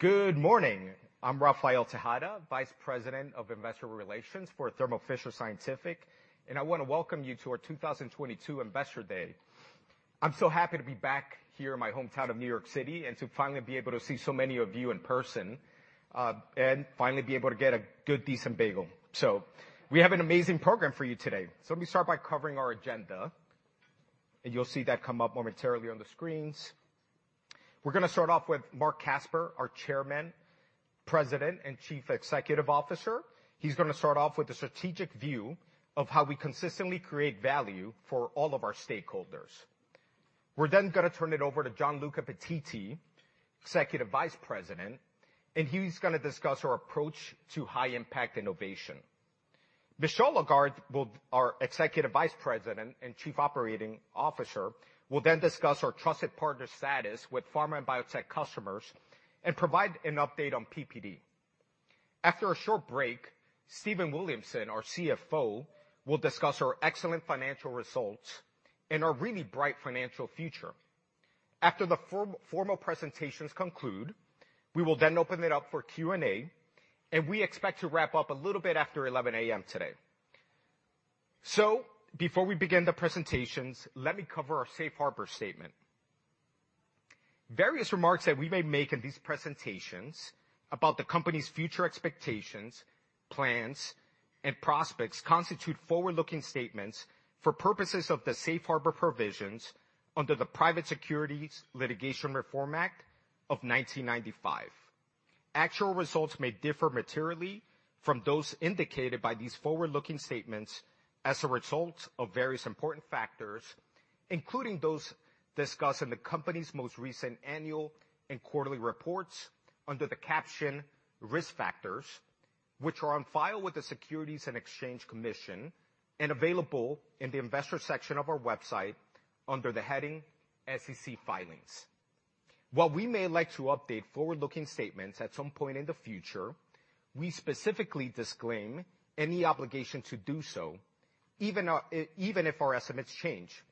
Good morning. I'm Rafael Tejada, Vice President of Investor Relations for Thermo Fisher Scientific, and I wanna welcome you to our 2022 Investor Day. I'm so happy to be back here in my hometown of New York City and to finally be able to see so many of you in person, and finally be able to get a good, decent bagel. We have an amazing program for you today. Let me start by covering our agenda, and you'll see that come up momentarily on the screens. We're gonna start off with Marc Casper, our Chairman, President, and Chief Executive Officer. He's gonna start off with a strategic view of how we consistently create value for all of our stakeholders. We're then gonna turn it over to Gianluca Pettiti, Executive Vice President, and he's gonna discuss our approach to high impact innovation. Michel Lagarde, our Executive Vice President and Chief Operating Officer, will then discuss our trusted partner status with pharma and biotech customers and provide an update on PPD. After a short break, Stephen Williamson, our CFO, will discuss our excellent financial results and our really bright financial future. After the formal presentations conclude, we will then open it up for Q&A, and we expect to wrap up a little bit after 11 A.M. today. Before we begin the presentations, let me cover our safe harbor statement. Various remarks that we may make in these presentations about the company's future expectations, plans, and prospects constitute forward-looking statements for purposes of the safe harbor provisions under the Private Securities Litigation Reform Act of 1995. Actual results may differ materially from those indicated by these forward-looking statements as a result of various important factors, including those discussed in the company's most recent annual and quarterly reports under the caption Risk Factors, which are on file with the Securities and Exchange Commission and available in the investor section of our website under the heading SEC Filings. While we may like to update forward-looking statements at some point in the future, we specifically disclaim any obligation to do so, even if our estimates change.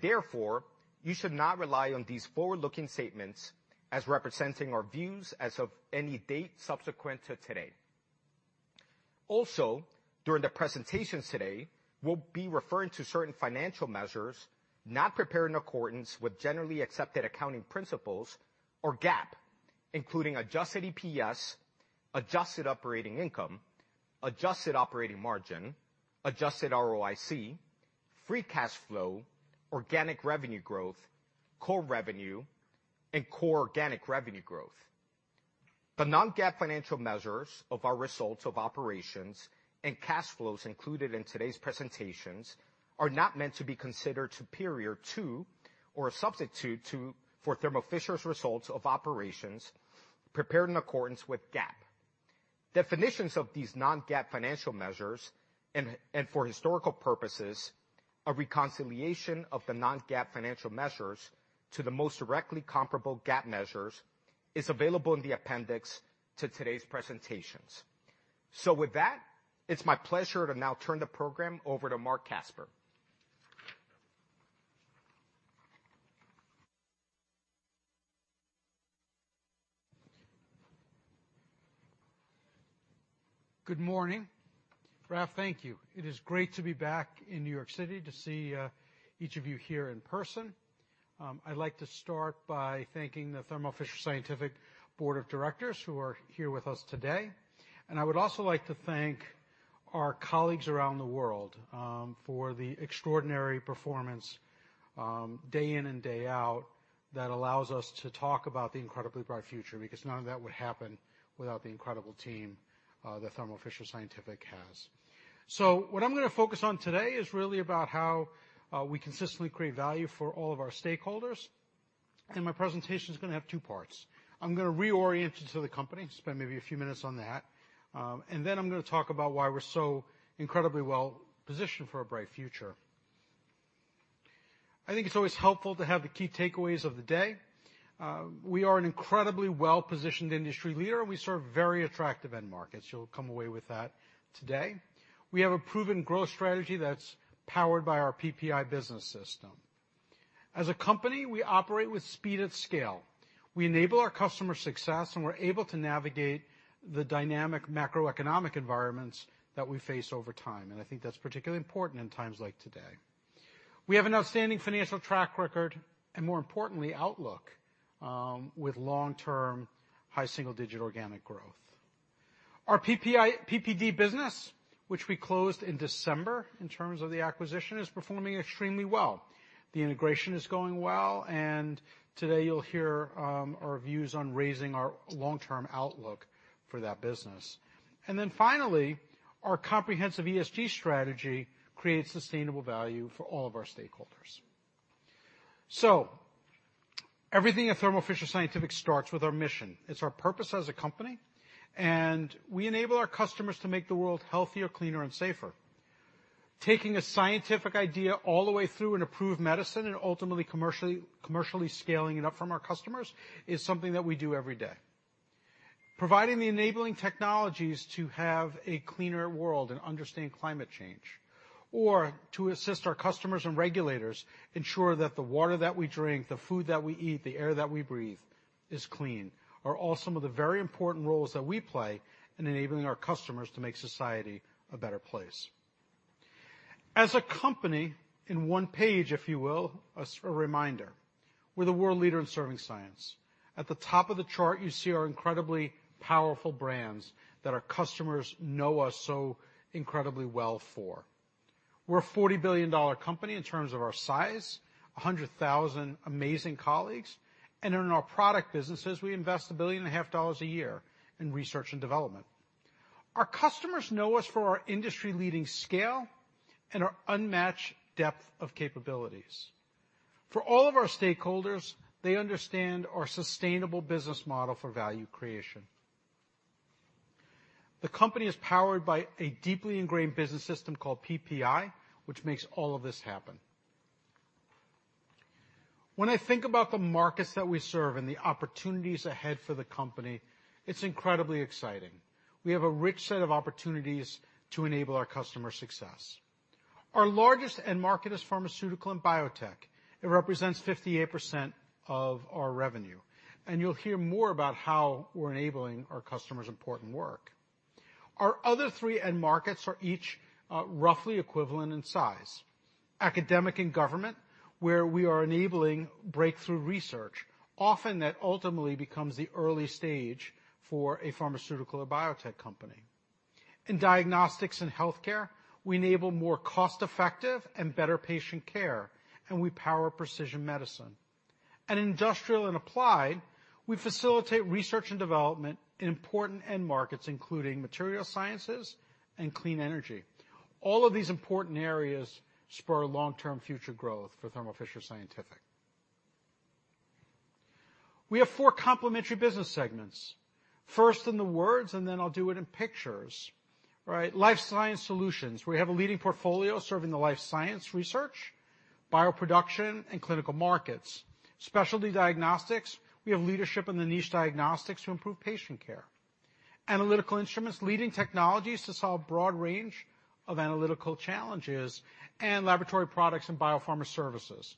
Therefore, you should not rely on these forward-looking statements as representing our views as of any date subsequent to today. Also, during the presentations today, we'll be referring to certain financial measures not prepared in accordance with generally accepted accounting principles or GAAP, including adjusted EPS, adjusted operating income, adjusted operating margin, adjusted ROIC, free cash flow, organic revenue growth, core revenue, and core organic revenue growth. The non-GAAP financial measures of our results of operations and cash flows included in today's presentations are not meant to be considered superior to or a substitute for Thermo Fisher's results of operations prepared in accordance with GAAP. Definitions of these non-GAAP financial measures and, for historical purposes, a reconciliation of the non-GAAP financial measures to the most directly comparable GAAP measures, is available in the appendix to today's presentations. With that, it's my pleasure to now turn the program over to Marc Casper. Good morning. Raf, thank you. It is great to be back in New York City to see each of you here in person. I'd like to start by thanking the Thermo Fisher Scientific Board of Directors who are here with us today, and I would also like to thank our colleagues around the world for the extraordinary performance day in and day out that allows us to talk about the incredibly bright future, because none of that would happen without the incredible team that Thermo Fisher Scientific has. What I'm gonna focus on today is really about how we consistently create value for all of our stakeholders, and my presentation's gonna have two parts. I'm gonna reorient you to the company, spend maybe a few minutes on that, and then I'm gonna talk about why we're so incredibly well-positioned for a bright future. I think it's always helpful to have the key takeaways of the day. We are an incredibly well-positioned industry leader, and we serve very attractive end markets. You'll come away with that today. We have a proven growth strategy that's powered by our PPI business system. As a company, we operate with speed and scale. We enable our customer success, and we're able to navigate the dynamic macroeconomic environments that we face over time, and I think that's particularly important in times like today. We have an outstanding financial track record and, more importantly, outlook, with long-term high single-digit organic growth. Our PPD business, which we closed in December in terms of the acquisition, is performing extremely well. The integration is going well, and today you'll hear our views on raising our long-term outlook for that business. Our comprehensive ESG strategy creates sustainable value for all of our stakeholders. Everything at Thermo Fisher Scientific starts with our mission. It's our purpose as a company, and we enable our customers to make the world healthier, cleaner, and safer. Taking a scientific idea all the way through an approved medicine and ultimately commercially scaling it up for our customers is something that we do every day. Providing the enabling technologies to have a cleaner world and understand climate change, or to assist our customers and regulators to ensure that the water that we drink, the food that we eat, the air that we breathe is clean, are all some of the very important roles that we play in enabling our customers to make society a better place. As a company, in one page, if you will, as a reminder, we're the world leader in serving science. At the top of the chart, you see our incredibly powerful brands that our customers know us so incredibly well for. We're a $40 billion company in terms of our size, 100,000 amazing colleagues, and in our product businesses, we invest $1.5 billion a year in research and development. Our customers know us for our industry-leading scale and our unmatched depth of capabilities. For all of our stakeholders, they understand our sustainable business model for value creation. The company is powered by a deeply ingrained business system called PPI, which makes all of this happen. When I think about the markets that we serve and the opportunities ahead for the company, it's incredibly exciting. We have a rich set of opportunities to enable our customer success. Our largest end market is pharmaceutical and biotech. It represents 58% of our revenue, and you'll hear more about how we're enabling our customers' important work. Our other three end markets are each, roughly equivalent in size. Academic and government, where we are enabling breakthrough research, often that ultimately becomes the early stage for a pharmaceutical or biotech company. In diagnostics and healthcare, we enable more cost-effective and better patient care, and we power precision medicine. In industrial and applied, we facilitate research and development in important end markets, including material sciences and clean energy. All of these important areas spur long-term future growth for Thermo Fisher Scientific. We have four complementary business segments. First in the words, and then I'll do it in pictures. Right? Life science solutions. We have a leading portfolio serving the life science research, bioproduction, and clinical markets. Specialty diagnostics, we have leadership in the niche diagnostics to improve patient care. Analytical instruments, leading technologies to solve a broad range of analytical challenges. Laboratory products and biopharma services,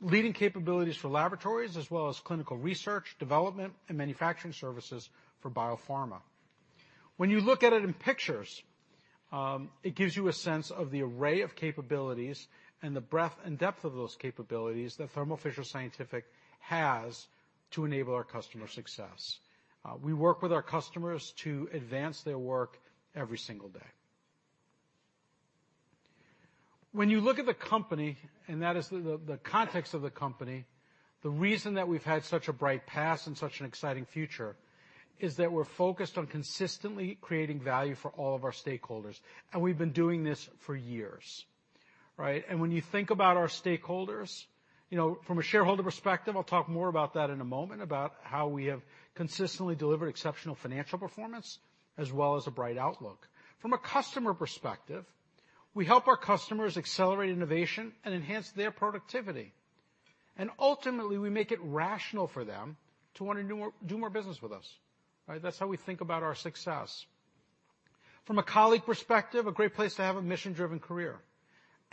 leading capabilities for laboratories, as well as clinical research, development, and manufacturing services for biopharma. When you look at it in pictures, it gives you a sense of the array of capabilities and the breadth and depth of those capabilities that Thermo Fisher Scientific has to enable our customer success. We work with our customers to advance their work every single day. When you look at the company, and that is the context of the company, the reason that we've had such a bright past and such an exciting future is that we're focused on consistently creating value for all of our stakeholders, and we've been doing this for years. Right? When you think about our stakeholders, you know, from a shareholder perspective, I'll talk more about that in a moment, about how we have consistently delivered exceptional financial performance as well as a bright outlook. From a customer perspective, we help our customers accelerate innovation and enhance their productivity. Ultimately, we make it rational for them to want to do more, do more business with us. Right? That's how we think about our success. From a colleague perspective, a great place to have a mission-driven career.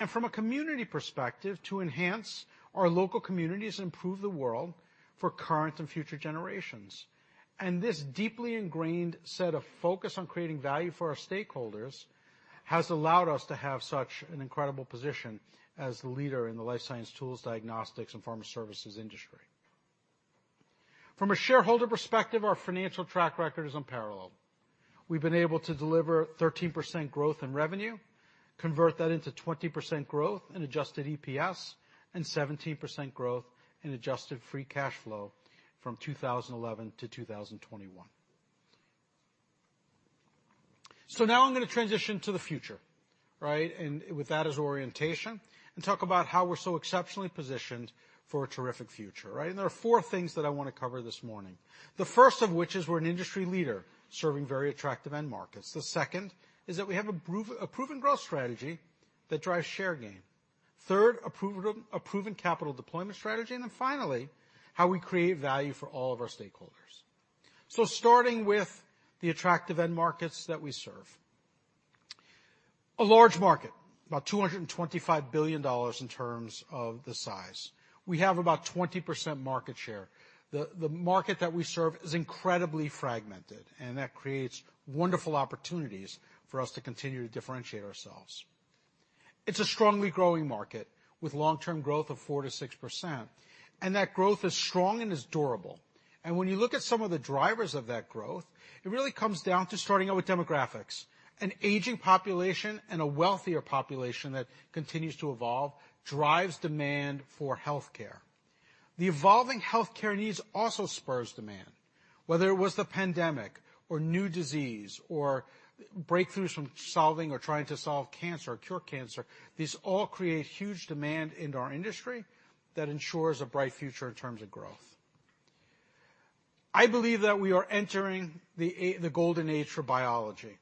From a community perspective, to enhance our local communities and improve the world for current and future generations. This deeply ingrained set of focus on creating value for our stakeholders has allowed us to have such an incredible position as the leader in the life science tools, diagnostics, and pharma services industry. From a shareholder perspective, our financial track record is unparalleled. We've been able to deliver 13% growth in revenue, convert that into 20% growth in adjusted EPS, and 17% growth in adjusted free cash flow from 2011-2021. Now I'm gonna transition to the future, right? With that as orientation, and talk about how we're so exceptionally positioned for a terrific future, right? There are four things that I wanna cover this morning. The first of which is we're an industry leader serving very attractive end markets. The second is that we have a proven growth strategy that drives share gain. Third, a proven capital deployment strategy. Then finally, how we create value for all of our stakeholders. Starting with the attractive end markets that we serve. A large market, about $225 billion in terms of the size. We have about 20% market share. The market that we serve is incredibly fragmented, and that creates wonderful opportunities for us to continue to differentiate ourselves. It's a strongly growing market with long-term growth of 4%-6%, and that growth is strong and is durable. When you look at some of the drivers of that growth, it really comes down to starting out with demographics. An aging population and a wealthier population that continues to evolve drives demand for healthcare. The evolving healthcare needs also spurs demand. Whether it was the pandemic or new disease or breakthroughs from solving or trying to solve cancer or cure cancer, these all create huge demand in our industry that ensures a bright future in terms of growth. I believe that we are entering the golden age for biology.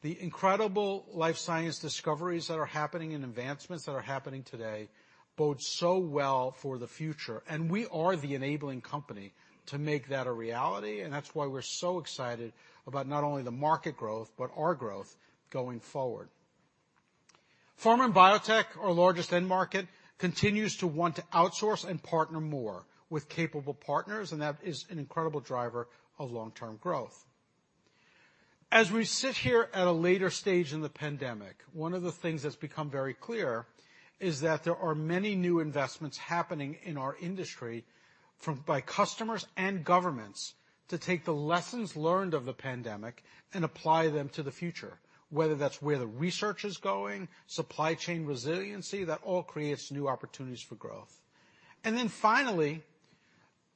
The incredible life science discoveries that are happening and advancements that are happening today bode so well for the future, and we are the enabling company to make that a reality. That's why we're so excited about not only the market growth, but our growth going forward. Pharma and biotech, our largest end market, continues to want to outsource and partner more with capable partners, and that is an incredible driver of long-term growth. As we sit here at a later stage in the pandemic, one of the things that's become very clear is that there are many new investments happening in our industry from customers and governments to take the lessons learned of the pandemic and apply them to the future, whether that's where the research is going, supply chain resiliency, that all creates new opportunities for growth. Then finally,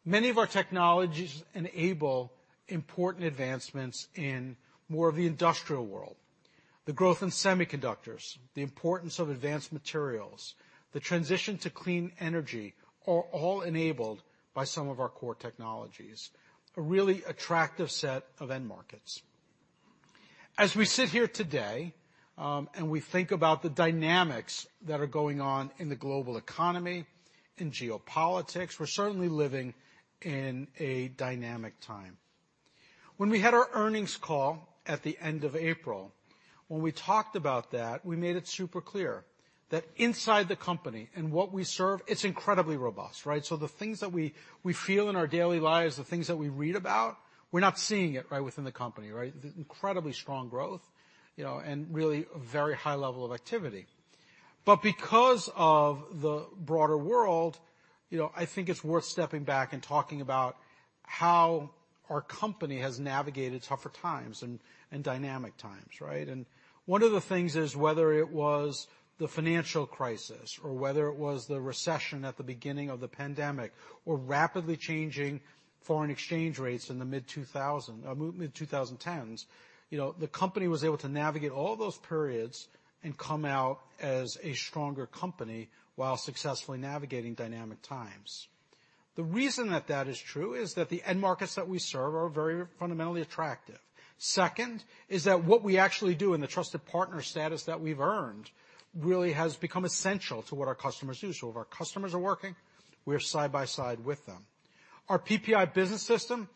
many of our technologies enable important advancements in more of the industrial world. The growth in semiconductors, the importance of advanced materials, the transition to clean energy are all enabled by some of our core technologies. A really attractive set of end markets. As we sit here today, and we think about the dynamics that are going on in the global economy, in geopolitics, we're certainly living in a dynamic time. When we had our earnings call at the end of April, when we talked about that, we made it super clear that inside the company and what we serve, it's incredibly robust, right? The things that we feel in our daily lives, the things that we read about, we're not seeing it, right, within the company, right? Incredibly strong growth, you know, and really a very high level of activity. Because of the broader world, you know, I think it's worth stepping back and talking about how our company has navigated tougher times and dynamic times, right? One of the things is whether it was the financial crisis or whether it was the recession at the beginning of the pandemic or rapidly changing foreign exchange rates in the mid-2010s, you know, the company was able to navigate all those periods and come out as a stronger company while successfully navigating dynamic times. The reason that that is true is that the end markets that we serve are very fundamentally attractive. Second is that what we actually do in the trusted partner status that we've earned really has become essential to what our customers do. If our customers are working, we're side by side with them. Our PPI business system,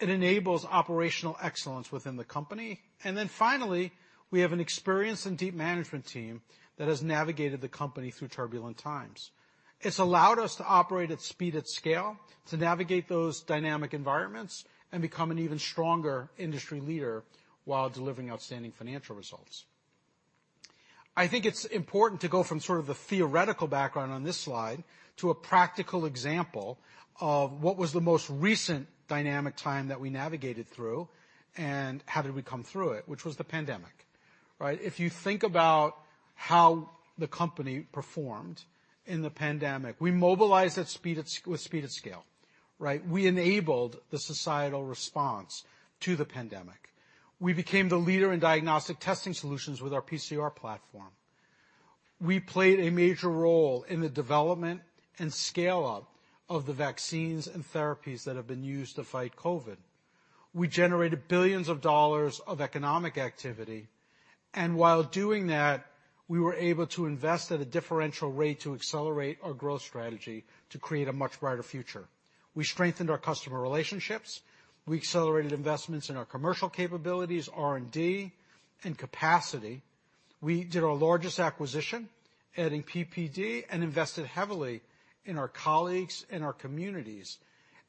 it enables operational excellence within the company. Finally, we have an experienced and deep management team that has navigated the company through turbulent times. It's allowed us to operate at speed and scale, to navigate those dynamic environments and become an even stronger industry leader while delivering outstanding financial results. I think it's important to go from sort of the theoretical background on this slide to a practical example of what was the most recent dynamic time that we navigated through and how did we come through it, which was the pandemic. Right? If you think about how the company performed in the pandemic, we mobilized at speed, with speed and scale, right? We enabled the societal response to the pandemic. We became the leader in diagnostic testing solutions with our PCR platform. We played a major role in the development and scale-up of the vaccines and therapies that have been used to fight COVID. We generated billions of dollars of economic activity, and while doing that, we were able to invest at a differential rate to accelerate our growth strategy to create a much brighter future. We strengthened our customer relationships. We accelerated investments in our commercial capabilities, R&D, and capacity. We did our largest acquisition, adding PPD, and invested heavily in our colleagues and our communities.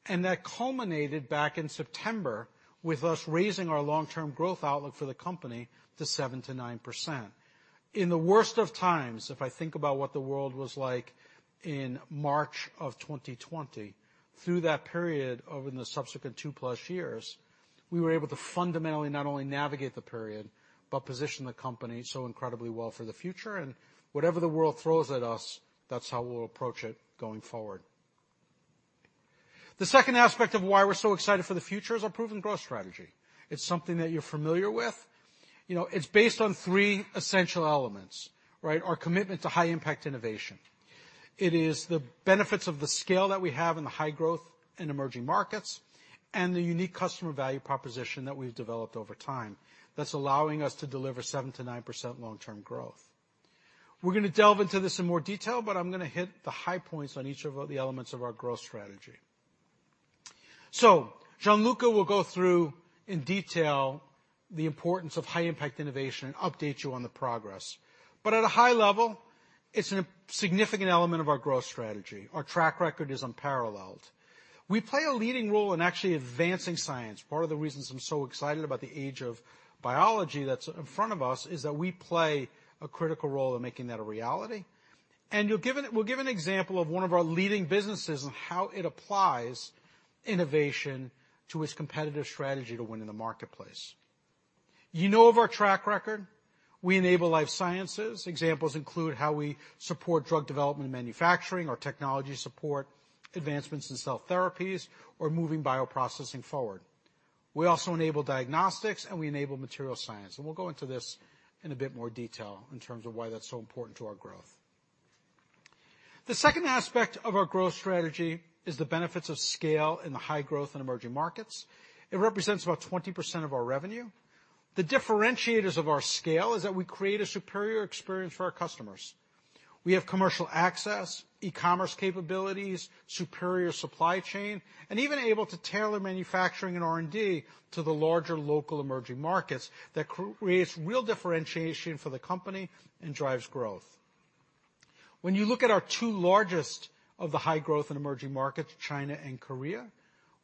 That culminated back in September with us raising our long-term growth outlook for the company to 7%-9%. In the worst of times, if I think about what the world was like in March of 2020, through that period over the subsequent two plus years, we were able to fundamentally not only navigate the period, but position the company so incredibly well for the future. Whatever the world throws at us, that's how we'll approach it going forward. The second aspect of why we're so excited for the future is our proven growth strategy. It's something that you're familiar with. You know, it's based on three essential elements, right? Our commitment to high-impact innovation. It is the benefits of the scale that we have in the high growth in emerging markets and the unique customer value proposition that we've developed over time that's allowing us to deliver 7%-9% long-term growth. We're gonna delve into this in more detail, but I'm gonna hit the high points on each of the elements of our growth strategy. Gianluca will go through in detail the importance of high-impact innovation and update you on the progress. At a high level, it's a significant element of our growth strategy. Our track record is unparalleled. We play a leading role in actually advancing science. Part of the reasons I'm so excited about the age of biology that's in front of us is that we play a critical role in making that a reality. We'll give an example of one of our leading businesses and how it applies innovation to its competitive strategy to win in the marketplace. You know of our track record. We enable life sciences. Examples include how we support drug development and manufacturing, our technology support, advancements in cell therapies, or moving bioprocessing forward. We also enable diagnostics, and we enable material science, and we'll go into this in a bit more detail in terms of why that's so important to our growth. The second aspect of our growth strategy is the benefits of scale in the high-growth and emerging markets. It represents about 20% of our revenue. The differentiators of our scale is that we create a superior experience for our customers. We have commercial access, e-commerce capabilities, superior supply chain, and even able to tailor manufacturing and R&D to the larger local emerging markets that creates real differentiation for the company and drives growth. When you look at our two largest of the high growth in emerging markets, China and Korea,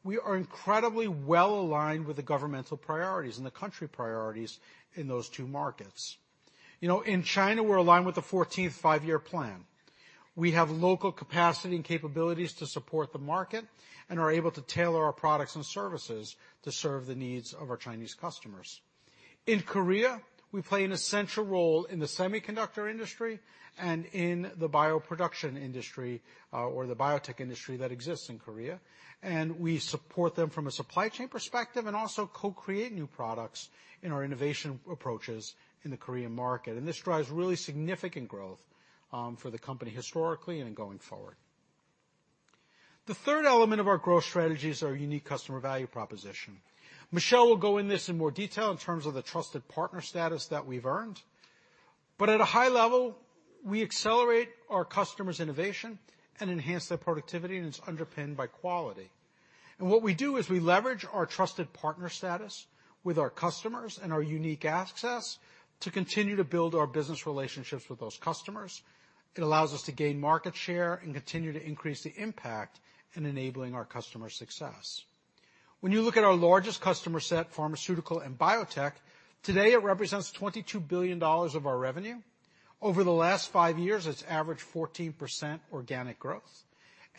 we are incredibly well aligned with the governmental priorities and the country priorities in those two markets. You know, in China, we're aligned with the 14th Five-Year Plan. We have local capacity and capabilities to support the market and are able to tailor our products and services to serve the needs of our Chinese customers. In Korea, we play an essential role in the semiconductor industry and in the bioproduction industry, or the biotech industry that exists in Korea, and we support them from a supply chain perspective and also co-create new products in our innovation approaches in the Korean market. This drives really significant growth, for the company historically and going forward. The third element of our growth strategy is our unique customer value proposition. Michel will go into this in more detail in terms of the trusted partner status that we've earned. At a high level, we accelerate our customers' innovation and enhance their productivity, and it's underpinned by quality. What we do is we leverage our trusted partner status with our customers and our unique access to continue to build our business relationships with those customers. It allows us to gain market share and continue to increase the impact in enabling our customers' success. When you look at our largest customer set, pharmaceutical and biotech, today, it represents $22 billion of our revenue. Over the last five years, it's averaged 14% organic growth,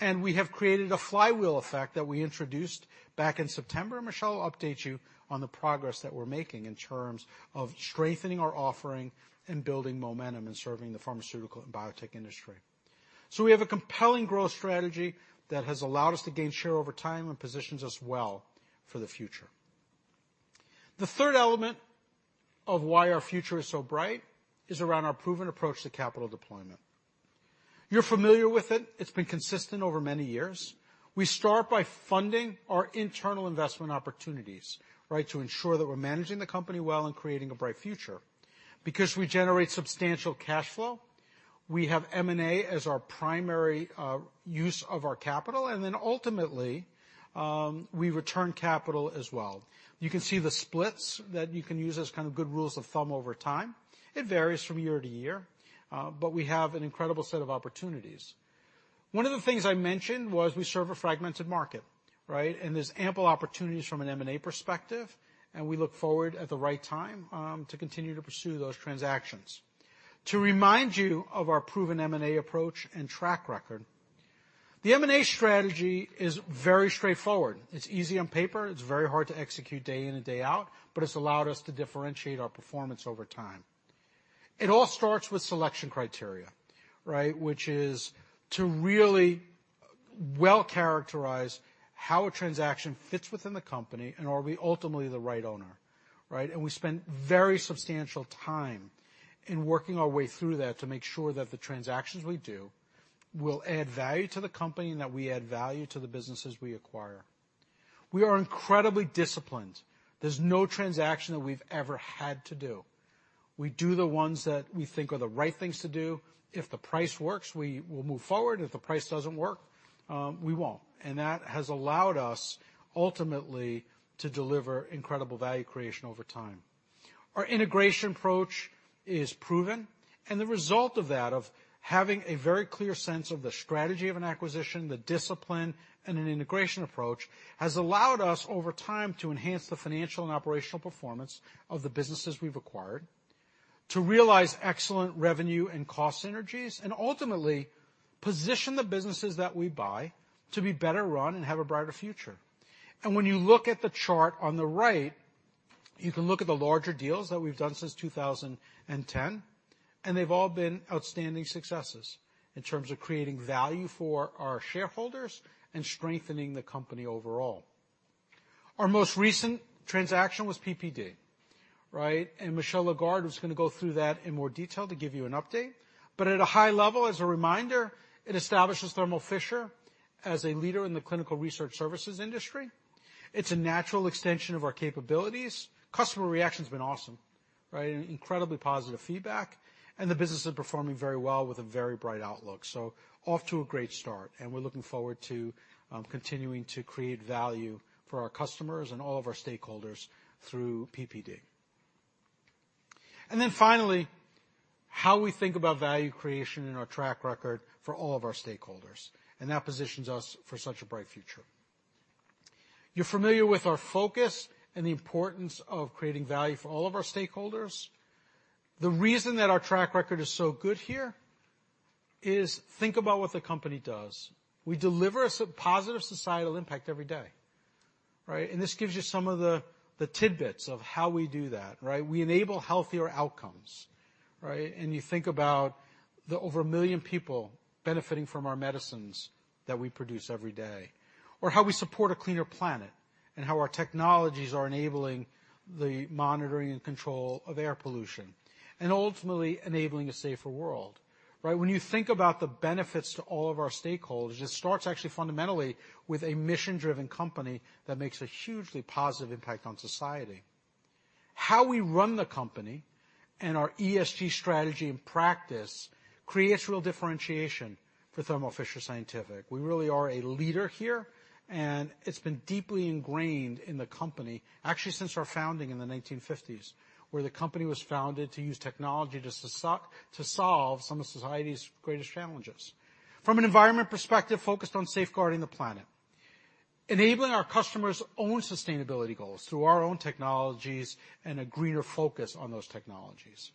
and we have created a flywheel effect that we introduced back in September. Michel Lagarde will update you on the progress that we're making in terms of strengthening our offering and building momentum and serving the pharmaceutical and biotech industry. We have a compelling growth strategy that has allowed us to gain share over time and positions us well for the future. The third element of why our future is so bright is around our proven approach to capital deployment. You're familiar with it. It's been consistent over many years. We start by funding our internal investment opportunities, right? To ensure that we're managing the company well and creating a bright future. Because we generate substantial cash flow, we have M&A as our primary use of our capital, and then ultimately, we return capital as well. You can see the splits that you can use as kind of good rules of thumb over time. It varies from year to year, but we have an incredible set of opportunities. One of the things I mentioned was we serve a fragmented market, right? And there's ample opportunities from an M&A perspective, and we look forward at the right time to continue to pursue those transactions. To remind you of our proven M&A approach and track record, the M&A strategy is very straightforward. It's easy on paper. It's very hard to execute day in and day out, but it's allowed us to differentiate our performance over time. It all starts with selection criteria, right? Which is to really well-characterize how a transaction fits within the company and are we ultimately the right owner, right? We spend very substantial time in working our way through that to make sure that the transactions we do will add value to the company and that we add value to the businesses we acquire. We are incredibly disciplined. There's no transaction that we've ever had to do. We do the ones that we think are the right things to do. If the price works, we will move forward. If the price doesn't work, we won't. That has allowed us ultimately to deliver incredible value creation over time. Our integration approach is proven, and the result of that, of having a very clear sense of the strategy of an acquisition, the discipline, and an integration approach, has allowed us over time to enhance the financial and operational performance of the businesses we've acquired, to realize excellent revenue and cost synergies, and ultimately, position the businesses that we buy to be better run and have a brighter future. When you look at the chart on the right, you can look at the larger deals that we've done since 2010, and they've all been outstanding successes in terms of creating value for our shareholders and strengthening the company overall. Our most recent transaction was PPD, right? Michel Lagarde is gonna go through that in more detail to give you an update. At a high level, as a reminder, it establishes Thermo Fisher as a leader in the clinical research services industry. It's a natural extension of our capabilities. Customer reaction's been awesome, right? Incredibly positive feedback, and the business is performing very well with a very bright outlook. Off to a great start, and we're looking forward to continuing to create value for our customers and all of our stakeholders through PPD. Finally, how we think about value creation and our track record for all of our stakeholders, and that positions us for such a bright future. You're familiar with our focus and the importance of creating value for all of our stakeholders. The reason that our track record is so good here is think about what the company does. We deliver a positive societal impact every day, right? This gives you some of the tidbits of how we do that, right? We enable healthier outcomes, right? You think about the over a million people benefiting from our medicines that we produce every day. How we support a cleaner planet. How our technologies are enabling the monitoring and control of air pollution, and ultimately, enabling a safer world, right? When you think about the benefits to all of our stakeholders, it starts actually fundamentally with a mission-driven company that makes a hugely positive impact on society. How we run the company and our ESG strategy and practice creates real differentiation for Thermo Fisher Scientific. We really are a leader here, and it's been deeply ingrained in the company, actually since our founding in the 1950s, where the company was founded to use technology just to solve some of society's greatest challenges. From an environment perspective, focused on safeguarding the planet, enabling our customers' own sustainability goals through our own technologies and a greener focus on those technologies.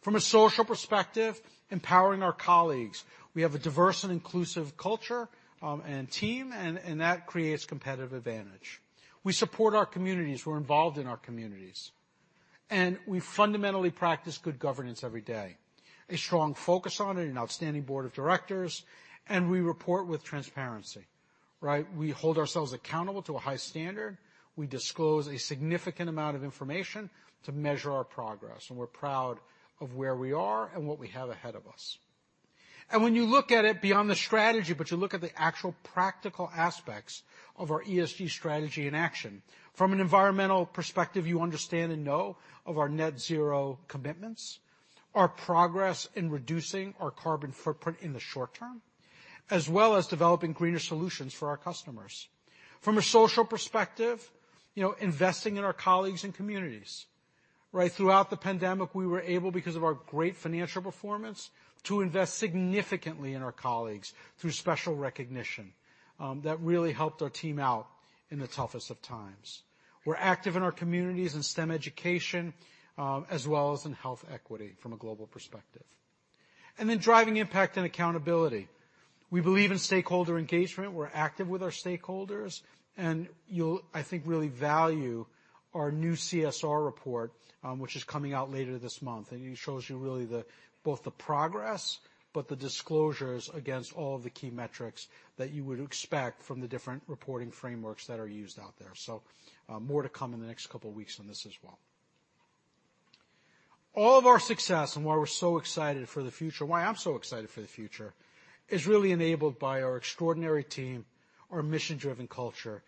From a social perspective, empowering our colleagues. We have a diverse and inclusive culture and team, and that creates competitive advantage. We support our communities. We're involved in our communities. We fundamentally practice good governance every day. A strong focus on it, an outstanding board of directors, and we report with transparency, right? We hold ourselves accountable to a high standard. We disclose a significant amount of information to measure our progress, and we're proud of where we are and what we have ahead of us. When you look at it beyond the strategy, but you look at the actual practical aspects of our ESG strategy in action. From an environmental perspective, you understand and know of our net zero commitments, our progress in reducing our carbon footprint in the short term, as well as developing greener solutions for our customers. From a social perspective, you know, investing in our colleagues and communities, right? Throughout the pandemic, we were able, because of our great financial performance, to invest significantly in our colleagues through special recognition, that really helped our team out in the toughest of times. We're active in our communities in STEM education, as well as in health equity from a global perspective. Driving impact and accountability. We believe in stakeholder engagement. We're active with our stakeholders. You'll, I think, really value our new CSR report, which is coming out later this month. It shows you really the, both the progress, but the disclosures against all the key metrics that you would expect from the different reporting frameworks that are used out there. More to come in the next couple weeks on this as well. All of our success and why we're so excited for the future, why I'm so excited for the future, is really enabled by our extraordinary team, our mission-driven culture,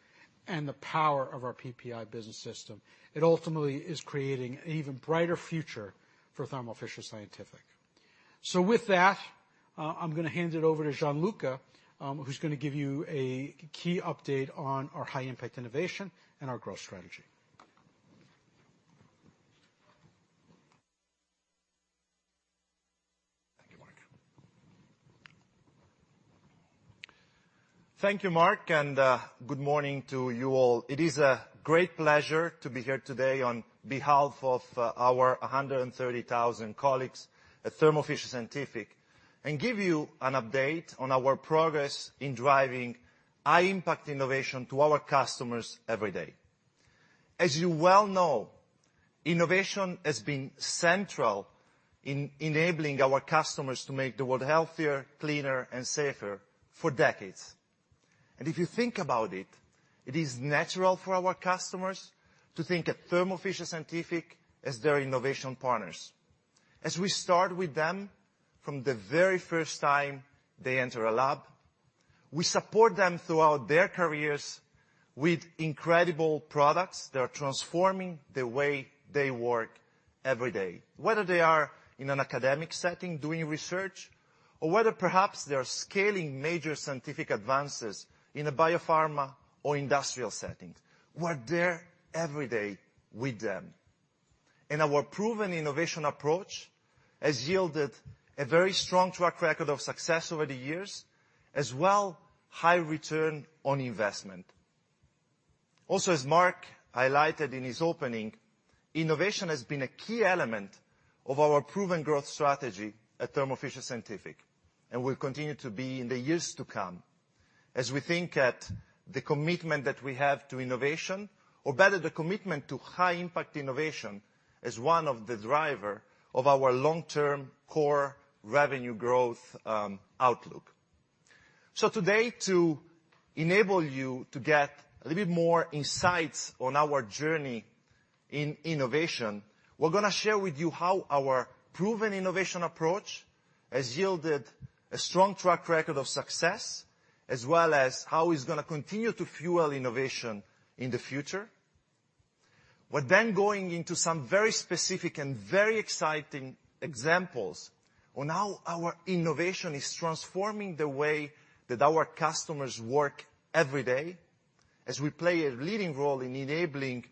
and the power of our PPI business system. It ultimately is creating an even brighter future for Thermo Fisher Scientific. With that, I'm gonna hand it over to Gianluca, who's gonna give you a key update on our high impact innovation and our growth strategy. Thank you, Marc, and good morning to you all. It is a great pleasure to be here today on behalf of our 130,000 colleagues at Thermo Fisher Scientific and give you an update on our progress in driving high impact innovation to our customers every day. As you well know, innovation has been central in enabling our customers to make the world healthier, cleaner, and safer for decades. If you think about it is natural for our customers to think of Thermo Fisher Scientific as their innovation partners. As we start with them from the very first time they enter a lab, we support them throughout their careers with incredible products that are transforming the way they work every day. Whether they are in an academic setting doing research, or whether perhaps they are scaling major scientific advances in a biopharma or industrial setting, we're there every day with them. Our proven innovation approach has yielded a very strong track record of success over the years, as well as high return on investment. Also, as Marc highlighted in his opening, innovation has been a key element of our proven growth strategy at Thermo Fisher Scientific, and will continue to be in the years to come as we think about the commitment that we have to innovation, or better, the commitment to high impact innovation as one of the driver of our long-term core revenue growth outlook. Today, to enable you to get a little bit more insights on our journey in innovation, we're gonna share with you how our proven innovation approach has yielded a strong track record of success, as well as how it's gonna continue to fuel innovation in the future. We're then going into some very specific and very exciting examples on how our innovation is transforming the way that our customers work every day, as we play a leading role in enabling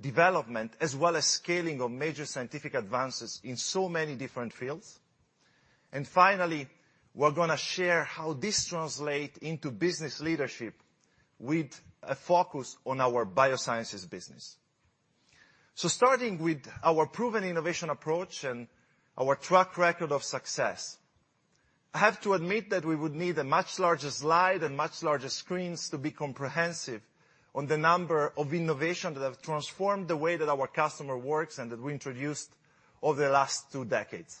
development, as well as scaling of major scientific advances in so many different fields. Finally, we're gonna share how this translate into business leadership with a focus on our biosciences business. Starting with our proven innovation approach and our track record of success, I have to admit that we would need a much larger slide and much larger screens to be comprehensive on the number of innovation that have transformed the way that our customer works and that we introduced over the last two decades.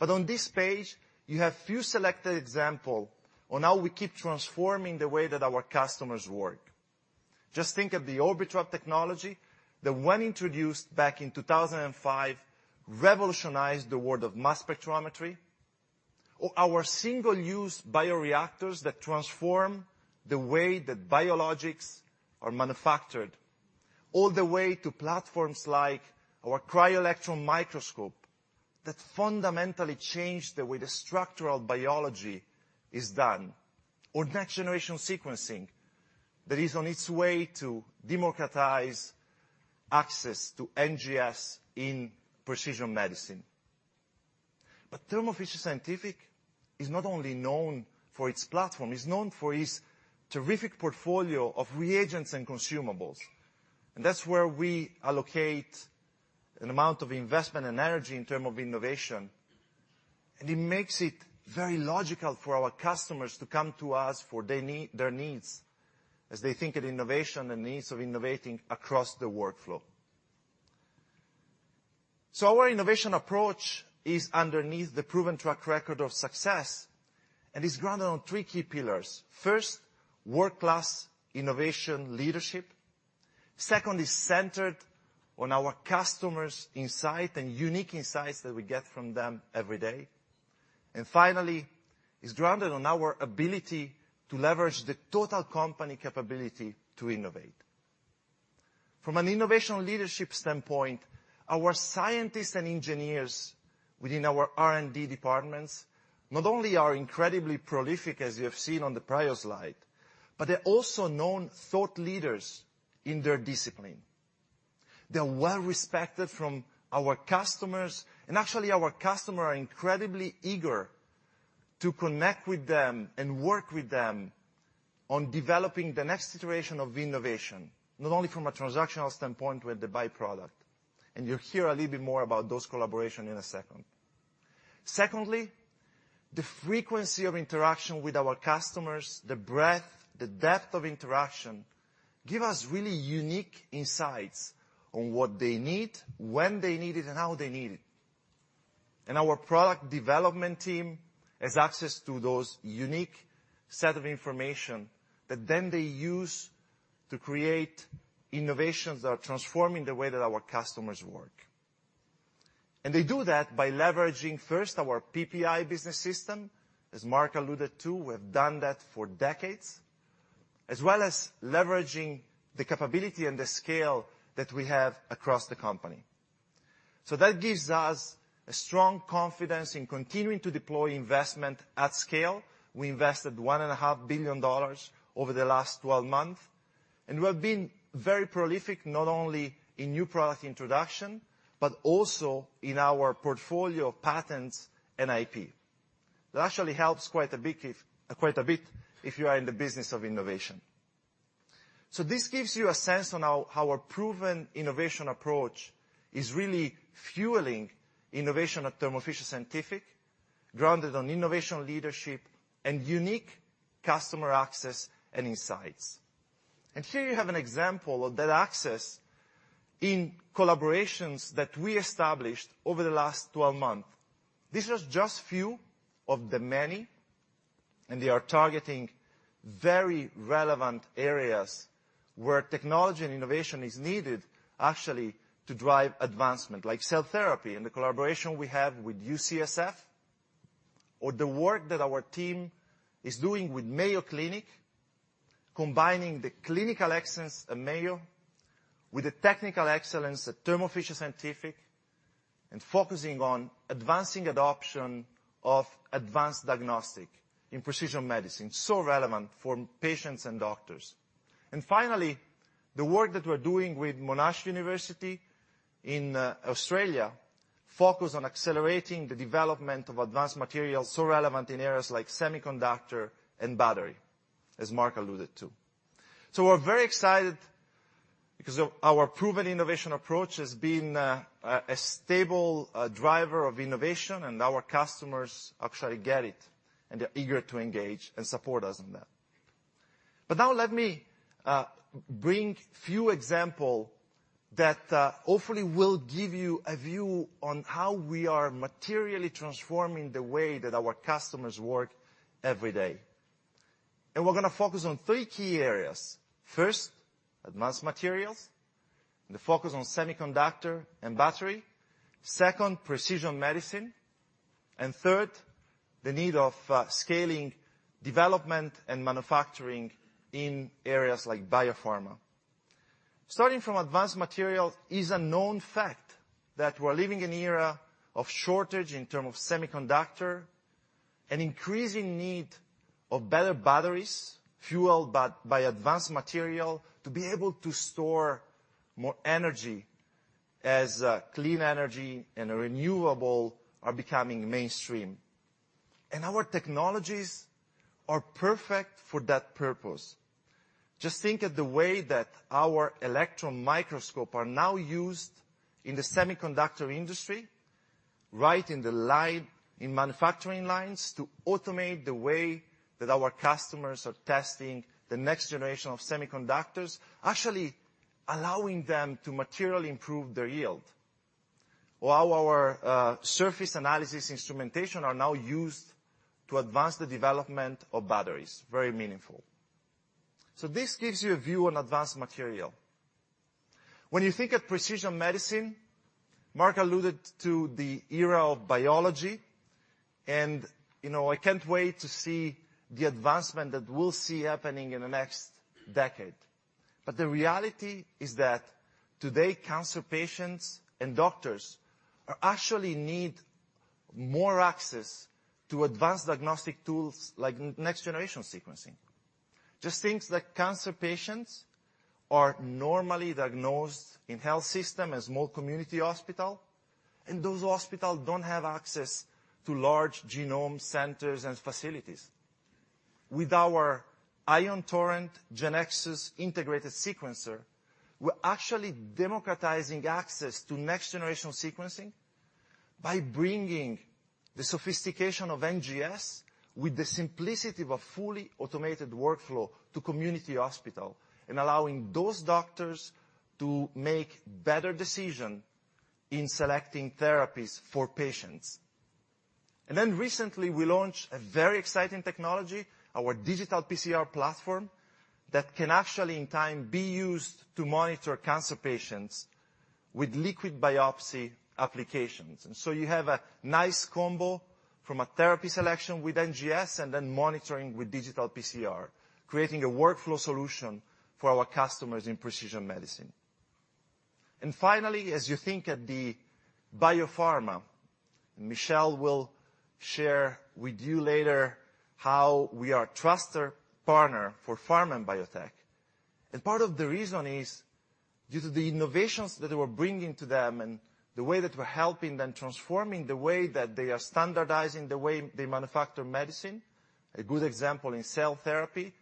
On this page, you have few selected example on how we keep transforming the way that our customers work. Just think of the Orbitrap technology, that when introduced back in 2005, revolutionized the world of mass spectrometry, or our single-use bioreactors that transform the way that biologics are manufactured, all the way to platforms like our cryo-electron microscope that fundamentally changed the way the structural biology is done, or next-generation sequencing that is on its way to democratize access to NGS in precision medicine. Thermo Fisher Scientific is not only known for its platform, it's known for its terrific portfolio of reagents and consumables, and that's where we allocate an amount of investment and energy in term of innovation. It makes it very logical for our customers to come to us for their needs as they think of innovation and needs of innovating across the workflow. Our innovation approach is underneath the proven track record of success and is grounded on three key pillars. First, world-class innovation leadership. Second is centered on our customers' insight and unique insights that we get from them every day. Finally, it's grounded on our ability to leverage the total company capability to innovate. From an innovation leadership standpoint, our scientists and engineers within our R&D departments not only are incredibly prolific, as you have seen on the prior slide, but they're also known thought leaders in their discipline. They're well-respected from our customers, and actually, our customer are incredibly eager to connect with them and work with them on developing the next iteration of innovation, not only from a transactional standpoint with the by-product. You'll hear a little bit more about those collaboration in a second. Secondly, the frequency of interaction with our customers, the breadth, the depth of interaction, give us really unique insights on what they need, when they need it, and how they need it. Our product development team has access to those unique set of information that then they use to create innovations that are transforming the way that our customers work. They do that by leveraging first our PPI business system, as Marc alluded to. We have done that for decades, as well as leveraging the capability and the scale that we have across the company. That gives us a strong confidence in continuing to deploy investment at scale. We invested $1.5 billion over the last 12 months, and we have been very prolific not only in new product introduction, but also in our portfolio of patents and IP. That actually helps quite a bit if you are in the business of innovation. This gives you a sense on how our proven innovation approach is really fueling innovation at Thermo Fisher Scientific, grounded on innovation leadership and unique customer access and insights. Here you have an example of that access in collaborations that we established over the last 12 months. This is just few of the many, and they are targeting very relevant areas where technology and innovation is needed actually to drive advancement, like cell therapy and the collaboration we have with UCSF, or the work that our team is doing with Mayo Clinic, combining the clinical excellence of Mayo with the technical excellence at Thermo Fisher Scientific, and focusing on advancing adoption of advanced diagnostic in precision medicine, so relevant for patients and doctors. Finally, the work that we're doing with Monash University in Australia focus on accelerating the development of advanced materials, so relevant in areas like semiconductor and battery, as Marc alluded to. We're very excited because of our proven innovation approach has been a stable driver of innovation and our customers actually get it, and they're eager to engage and support us in that. Now let me bring few example that hopefully will give you a view on how we are materially transforming the way that our customers work every day. We're gonna focus on three key areas. First, advanced materials, the focus on semiconductor and battery. Second, precision medicine. Third, the need of scaling development and manufacturing in areas like biopharma. Starting from advanced material is a known fact that we're living an era of shortage in terms of semiconductor, an increasing need of better batteries fueled by advanced material to be able to store more energy as clean energy and renewable are becoming mainstream. Our technologies are perfect for that purpose. Just think of the way that our electron microscopes are now used in the semiconductor industry, right in manufacturing lines to automate the way that our customers are testing the next generation of semiconductors, actually allowing them to materially improve their yield. While our surface analysis instrumentation is now used to advance the development of batteries. Very meaningful. This gives you a view on advanced material. When you think of precision medicine, Marc alluded to the era of biology, and, you know, I can't wait to see the advancement that we'll see happening in the next decade. The reality is that today, cancer patients and doctors actually need more access to advanced diagnostic tools like next generation sequencing. Just things like cancer patients are normally diagnosed in the health system at more community hospitals, and those hospitals don't have access to large genome centers and facilities. With our Ion Torrent Genexus integrated sequencer, we're actually democratizing access to next generation sequencing by bringing the sophistication of NGS with the simplicity of a fully automated workflow to community hospitals, and allowing those doctors to make better decisions in selecting therapies for patients. Then recently, we launched a very exciting technology, our digital PCR platform, that can actually in time be used to monitor cancer patients with liquid biopsy applications. You have a nice combo from a therapy selection with NGS and then monitoring with digital PCR, creating a workflow solution for our customers in precision medicine. Finally, as you think about the biopharma, Michel will share with you later how we are trusted partner for pharma and biotech. Part of the reason is due to the innovations that we're bringing to them and the way that we're helping them transforming the way that they are standardizing the way they manufacture medicine. A good example in cell therapy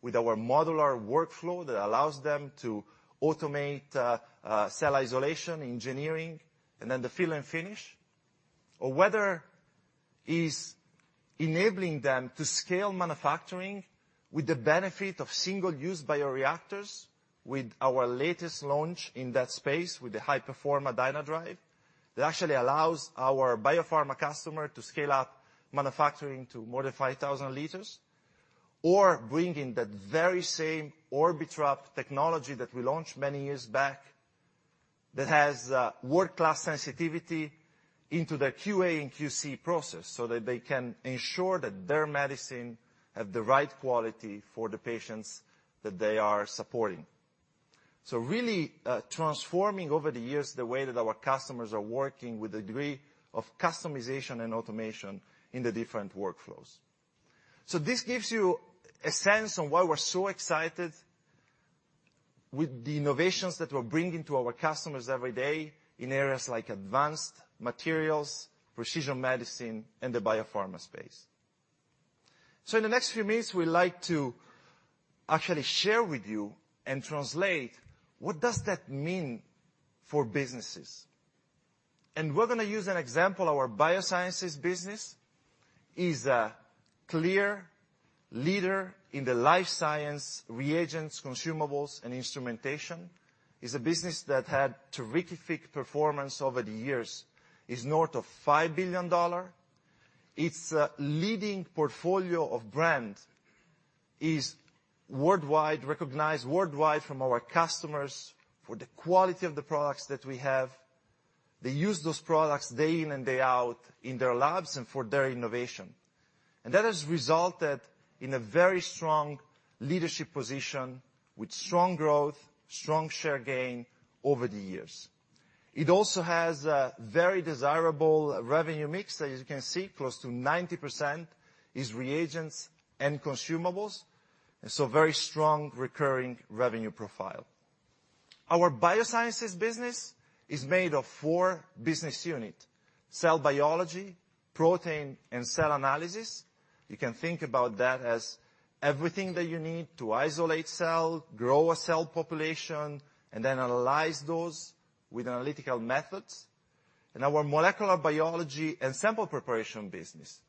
with our modular workflow that allows them to automate, cell isolation, engineering, and then the fill and finish. Whether it's enabling them to scale manufacturing with the benefit of single-use bioreactors with our latest launch in that space with the HyPerforma DynaDrive, that actually allows our biopharma customer to scale up manufacturing to more than 5,000 liters, or bringing that very same Orbitrap technology that we launched many years back that has world-class sensitivity into the QA and QC process, so that they can ensure that their medicine have the right quality for the patients that they are supporting. Really transforming over the years the way that our customers are working with a degree of customization and automation in the different workflows. This gives you a sense on why we're so excited with the innovations that we're bringing to our customers every day in areas like advanced materials, precision medicine, and the biopharma space. In the next few minutes, we'd like to actually share with you and translate what does that mean for businesses? We're gonna use an example. Our biosciences business is a clear leader in the life science reagents, consumables, and instrumentation. Is a business that had terrific performance over the years. Is north of $5 billion. Its leading portfolio of brand is worldwide recognized worldwide from our customers for the quality of the products that we have. They use those products day in and day out in their labs and for their innovation. That has resulted in a very strong leadership position with strong growth, strong share gain over the years. It also has a very desirable revenue mix. As you can see, close to 90% is reagents and consumables, and so very strong recurring revenue profile. Our biosciences business is made of four business units: cell biology, protein and cell analysis. You can think about that as everything that you need to isolate cells, grow a cell population, and then analyze those with analytical methods. Our molecular biology and sample preparation business.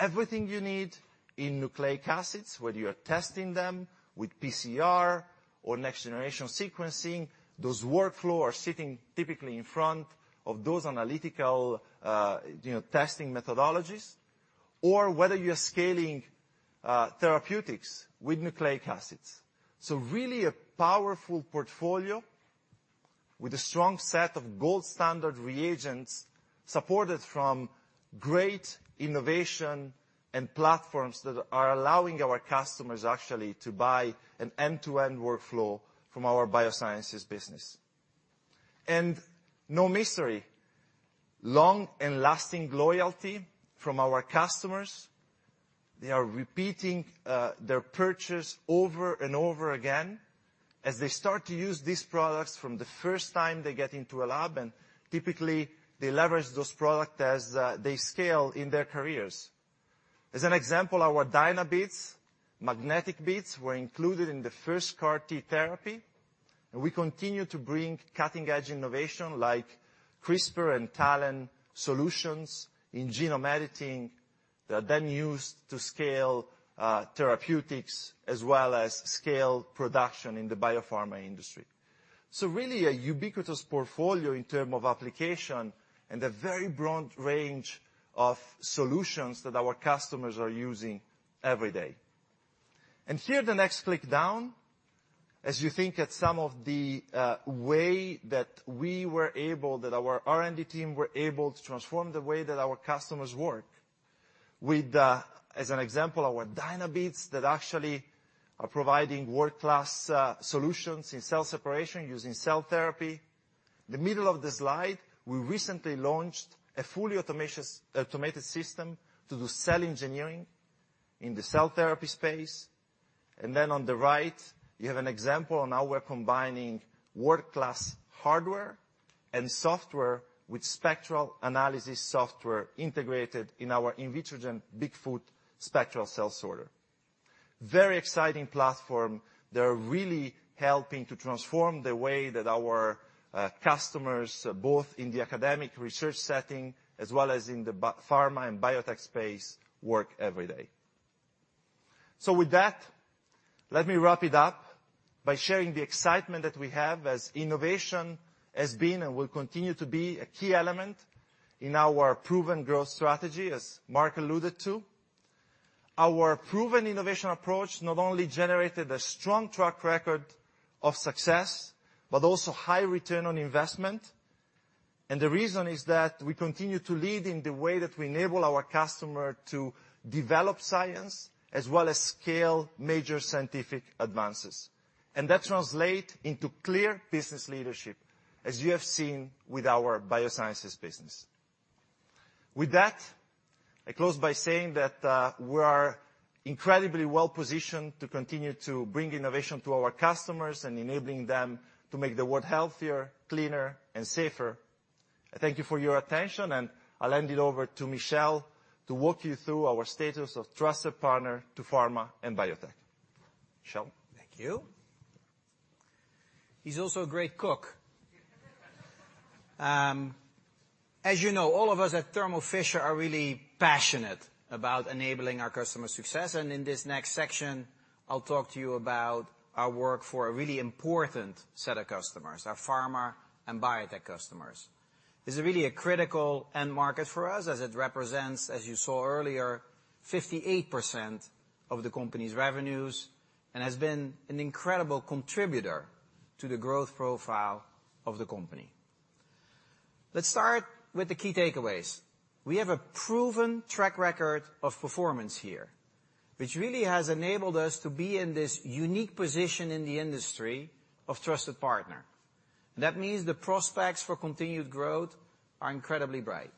Everything you need in nucleic acids, whether you're testing them with PCR or next generation sequencing, those workflows are sitting typically in front of those analytical, you know, testing methodologies, or whether you are scaling therapeutics with nucleic acids. Really a powerful portfolio with a strong set of gold standard reagents, supported by great innovation and platforms that are allowing our customers actually to buy an end-to-end workflow from our biosciences business. No mystery, long and lasting loyalty from our customers. They are repeating their purchase over and over again as they start to use these products from the first time they get into a lab, and typically they leverage those product as they scale in their careers. As an example, our Dynabeads magnetic beads, were included in the first CAR T therapy, and we continue to bring cutting-edge innovation like CRISPR and TALEN solutions in genome editing. They're then used to scale therapeutics as well as scale production in the biopharma industry. Really a ubiquitous portfolio in terms of application, and a very broad range of solutions that our customers are using every day. Here, the next click down, as you think at some of the way that our R&D team were able to transform the way that our customers work, with the, as an example, our Dynabeads that actually are providing world-class solutions in cell separation using cell therapy. The middle of the slide, we recently launched a fully automated system to do cell engineering in the cell therapy space. On the right you have an example of how we're combining world-class hardware and software with spectral analysis software integrated in our Invitrogen Bigfoot Spectral Cell Sorter. Very exciting platform. They're really helping to transform the way that our customers, both in the academic research setting as well as in the biopharma and biotech space work every day. With that, let me wrap it up by sharing the excitement that we have as innovation has been and will continue to be a key element in our proven growth strategy, as Marc alluded to. Our proven innovation approach not only generated a strong track record of success, but also high return on investment. The reason is that we continue to lead in the way that we enable our customer to develop science as well as scale major scientific advances. That translate into clear business leadership, as you have seen with our biosciences business. With that, I close by saying that we are incredibly well positioned to continue to bring innovation to our customers and enabling them to make the world healthier, cleaner and safer. I thank you for your attention, and I'll hand it over to Michel to walk you through our status of trusted partner to pharma and biotech. Michel? Thank you. He's also a great cook. As you know, all of us at Thermo Fisher are really passionate about enabling our customers' success. In this next section, I'll talk to you about our work for a really important set of customers, our pharma and biotech customers. This is really a critical end market for us, as it represents, as you saw earlier, 58% of the company's revenues, and has been an incredible contributor to the growth profile of the company. Let's start with the key takeaways. We have a proven track record of performance here, which really has enabled us to be in this unique position in the industry as trusted partner. That means the prospects for continued growth are incredibly bright.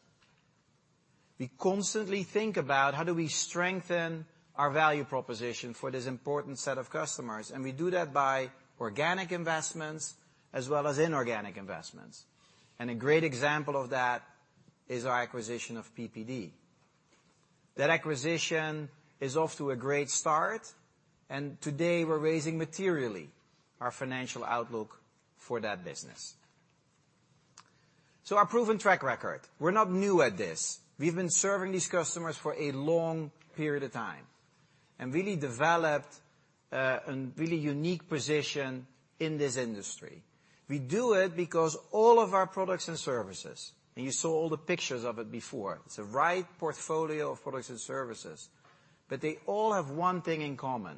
We constantly think about how do we strengthen our value proposition for this important set of customers, and we do that by organic investments as well as inorganic investments. A great example of that is our acquisition of PPD. That acquisition is off to a great start, and today we're raising materially our financial outlook for that business. Our proven track record, we're not new at this. We've been serving these customers for a long period of time, and really developed a really unique position in this industry. We do it because all of our products and services, and you saw all the pictures of it before, it's the right portfolio of products and services. They all have one thing in common,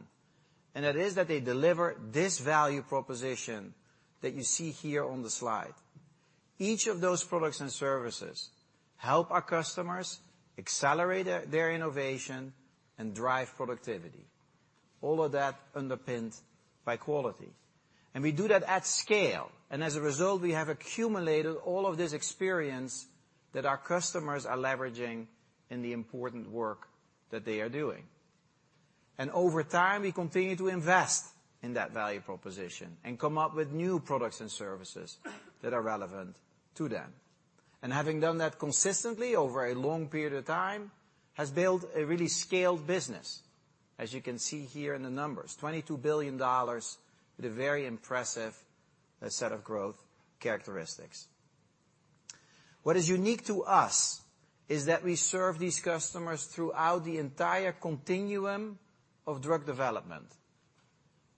and it is that they deliver this value proposition that you see here on the slide. Each of those products and services help our customers accelerate their innovation and drive productivity, all of that underpinned by quality. We do that at scale, and as a result, we have accumulated all of this experience that our customers are leveraging in the important work that they are doing. Over time, we continue to invest in that value proposition and come up with new products and services that are relevant to them. Having done that consistently over a long period of time has built a really scaled business, as you can see here in the numbers, $22 billion with a very impressive set of growth characteristics. What is unique to us is that we serve these customers throughout the entire continuum of drug development.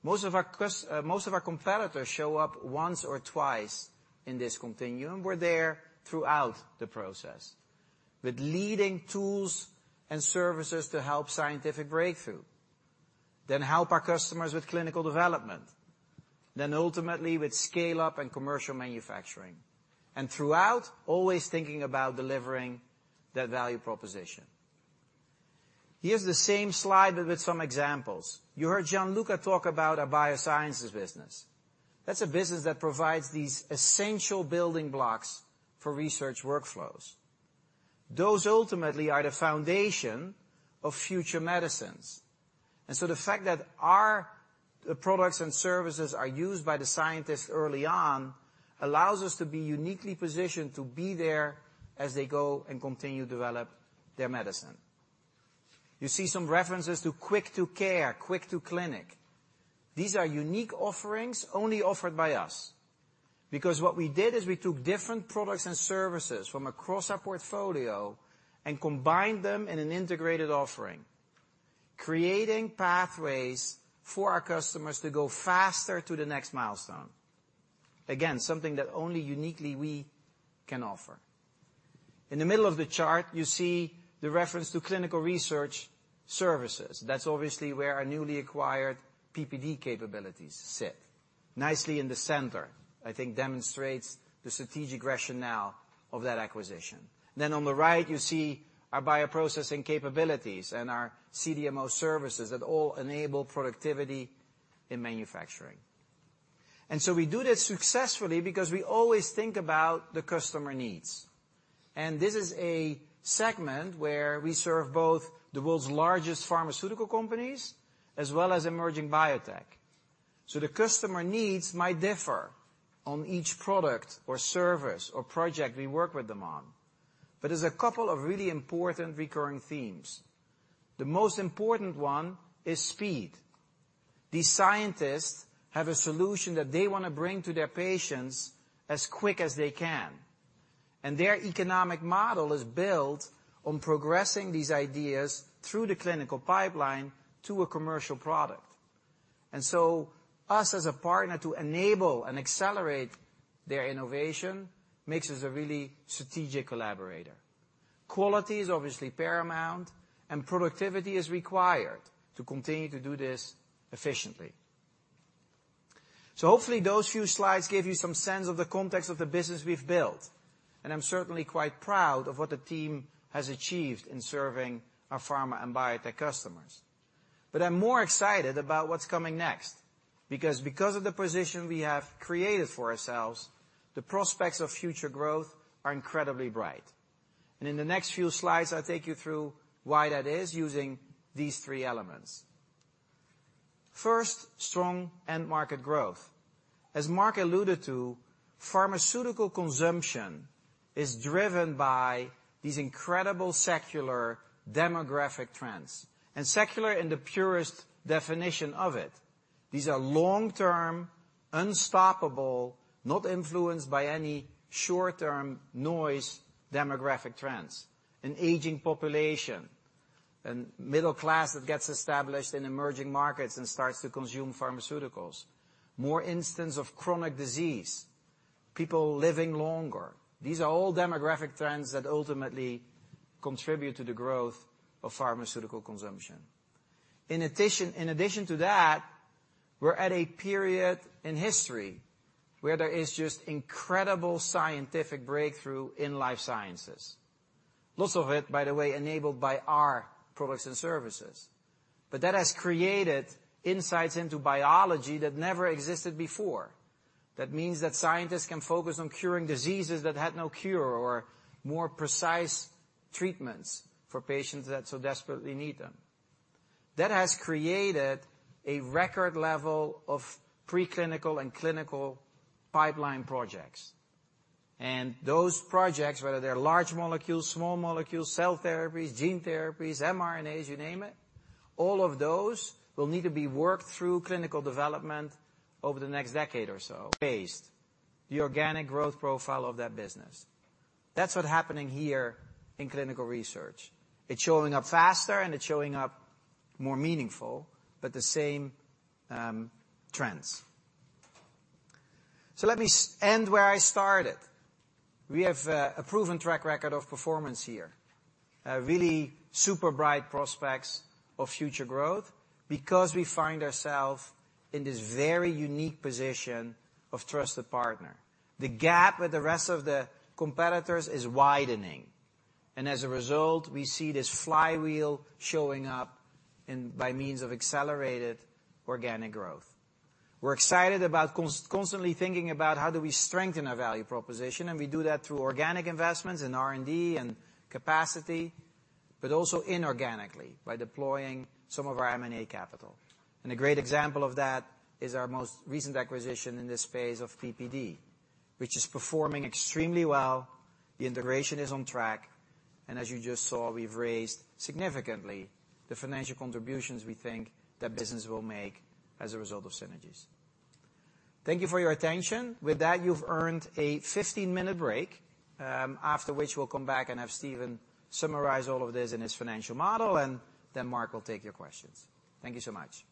Most of our competitors show up once or twice in this continuum. We're there throughout the process with leading tools and services to help scientific breakthrough, then help our customers with clinical development, then ultimately with scale-up and commercial manufacturing. Throughout, always thinking about delivering that value proposition. Here's the same slide but with some examples. You heard Gianluca talk about our biosciences business. That's a business that provides these essential building blocks for research workflows. Those ultimately are the foundation of future medicines. The fact that our products and services are used by the scientists early on allows us to be uniquely positioned to be there as they go and continue to develop their medicine. You see some references to Quick to Clinic. These are unique offerings only offered by us. Because what we did is we took different products and services from across our portfolio and combined them in an integrated offering, creating pathways for our customers to go faster to the next milestone. Again, something that only uniquely we can offer. In the middle of the chart, you see the reference to clinical research services. That's obviously where our newly acquired PPD capabilities sit, nicely in the center. I think demonstrates the strategic rationale of that acquisition. Then on the right, you see our bioprocessing capabilities and our CDMO services that all enable productivity in manufacturing. We do this successfully because we always think about the customer needs, and this is a segment where we serve both the world's largest pharmaceutical companies as well as emerging biotech. The customer needs might differ on each product or service or project we work with them on. There's a couple of really important recurring themes. The most important one is speed. These scientists have a solution that they wanna bring to their patients as quick as they can, and their economic model is built on progressing these ideas through the clinical pipeline to a commercial product. Us as a partner to enable and accelerate their innovation makes us a really strategic collaborator. Quality is obviously paramount, and productivity is required to continue to do this efficiently. Hopefully, those few slides gave you some sense of the context of the business we've built, and I'm certainly quite proud of what the team has achieved in serving our pharma and biotech customers. I'm more excited about what's coming next because of the position we have created for ourselves, the prospects of future growth are incredibly bright. In the next few slides, I'll take you through why that is using these three elements. First, strong end market growth. As Marc alluded to, pharmaceutical consumption is driven by these incredible secular demographic trends, and secular in the purest definition of it. These are long-term, unstoppable, not influenced by any short-term noise demographic trends. An aging population, a middle class that gets established in emerging markets and starts to consume pharmaceuticals, more instances of chronic disease, people living longer. These are all demographic trends that ultimately contribute to the growth of pharmaceutical consumption. In addition to that, we're at a period in history where there is just incredible scientific breakthrough in life sciences. Lots of it, by the way, enabled by our products and services. That has created insights into biology that never existed before. That means that scientists can focus on curing diseases that had no cure or more precise treatments for patients that so desperately need them. That has created a record level of preclinical and clinical pipeline projects. Those projects, whether they're large molecules, small molecules, cell therapies, gene therapies, mRNAs, you name it, all of those will need to be worked through clinical development over the next decade or so based on the organic growth profile of that business. That's what's happening here in clinical research. It's showing up faster, and it's showing up more meaningful, but the same trends. Let me end where I started. We have a proven track record of performance here. Really super bright prospects of future growth because we find ourself in this very unique position of trusted partner. The gap with the rest of the competitors is widening, and as a result, we see this flywheel showing up by means of accelerated organic growth. We're excited about constantly thinking about how do we strengthen our value proposition, and we do that through organic investments in R&D and capacity, but also inorganically by deploying some of our M&A capital. A great example of that is our most recent acquisition in this phase of PPD, which is performing extremely well. The integration is on track, and as you just saw, we've raised significantly the financial contributions we think that business will make as a result of synergies. Thank you for your attention. With that, you've earned a 15-minute break, after which we'll come back and have Stephen summarize all of this in his financial model, and then Marc will take your questions. Thank you so much.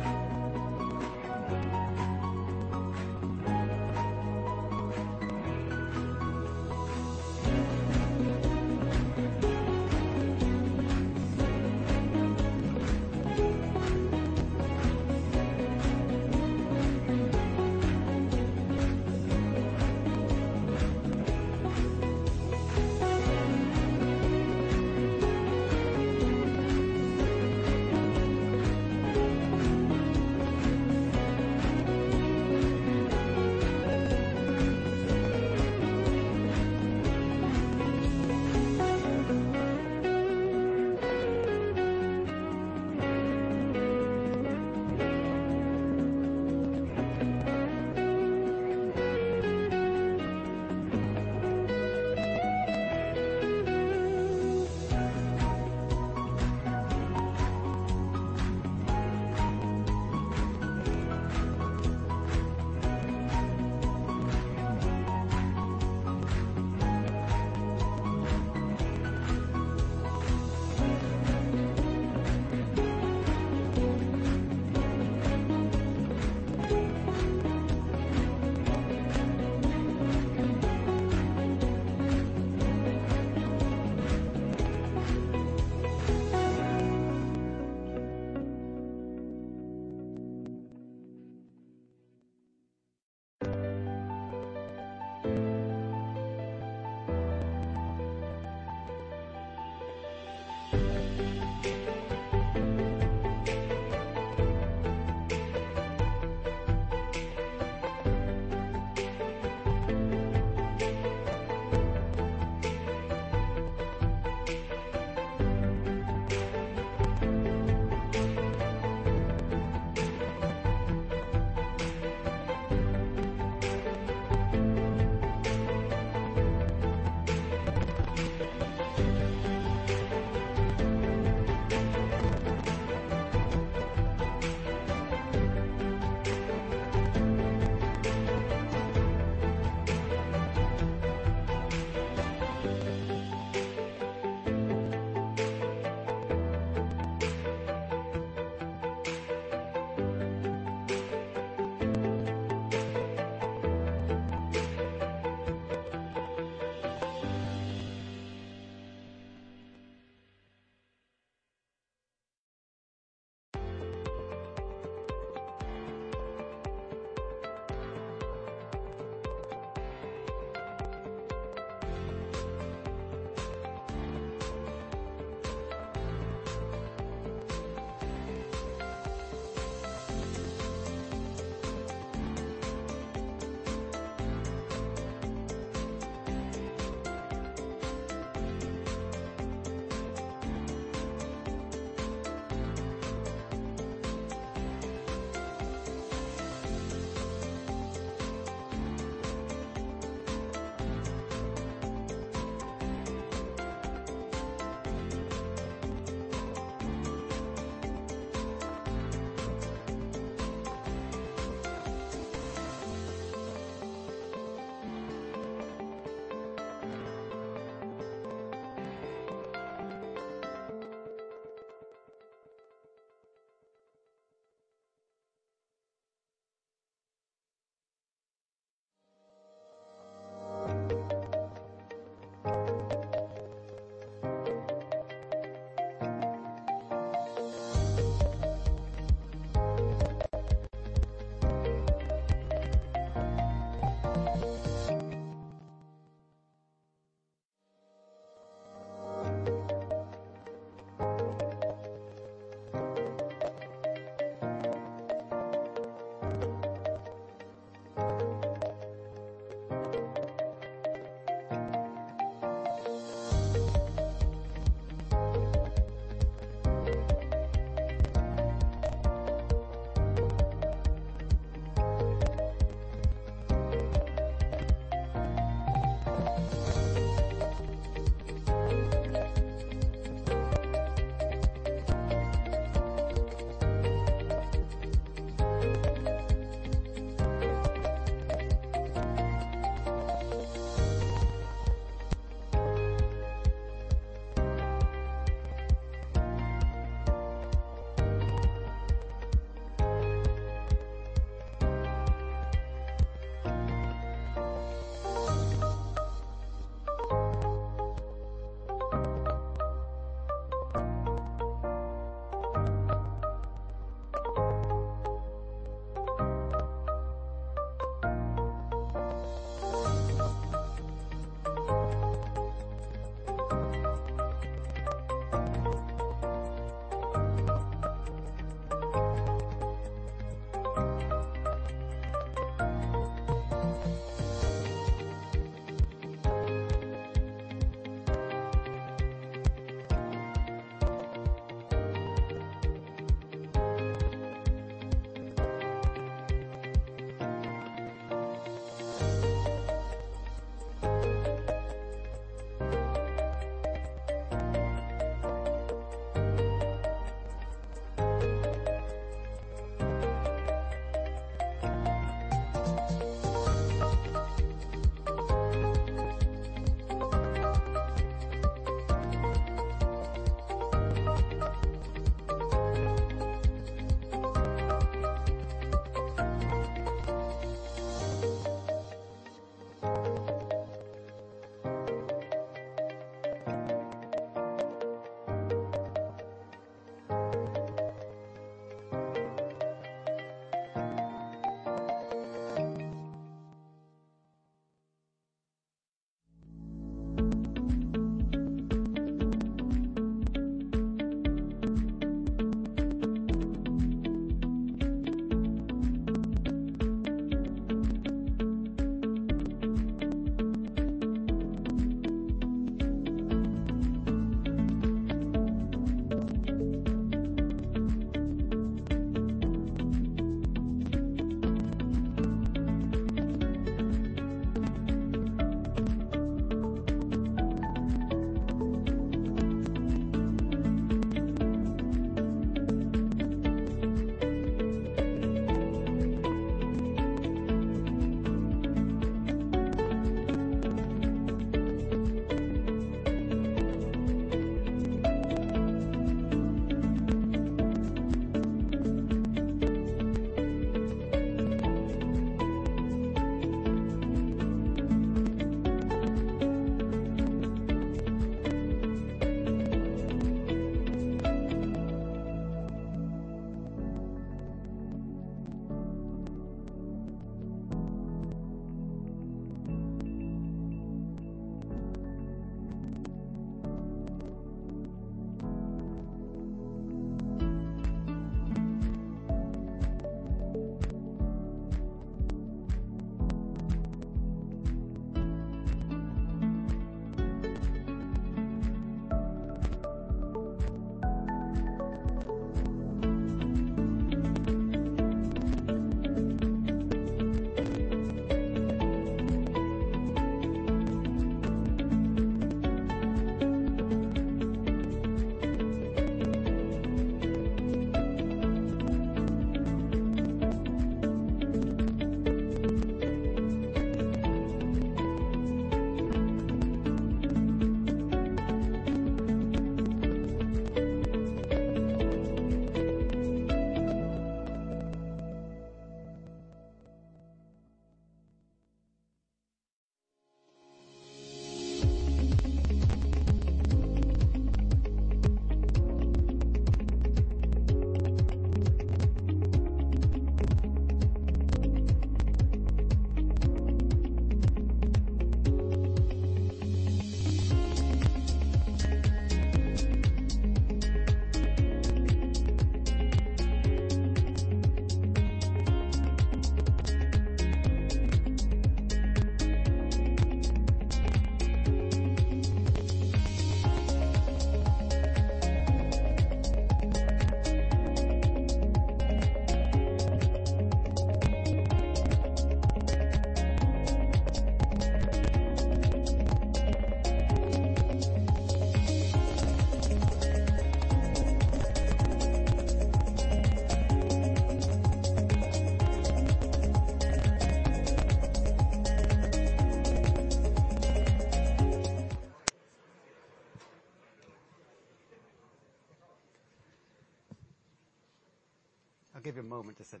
I'll give you a moment to sit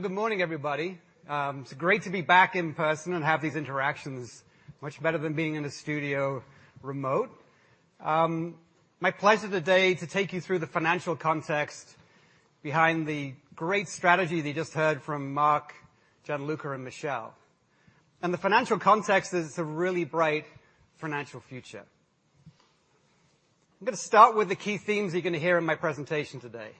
down. Good morning, everybody. It's great to be back in person and have these interactions much better than being in a studio remote. It's my pleasure today to take you through the financial context behind the great strategy that you just heard from Marc, Gianluca, and Michel. The financial context is a really bright financial future. I'm gonna start with the key themes you're gonna hear in my presentation today.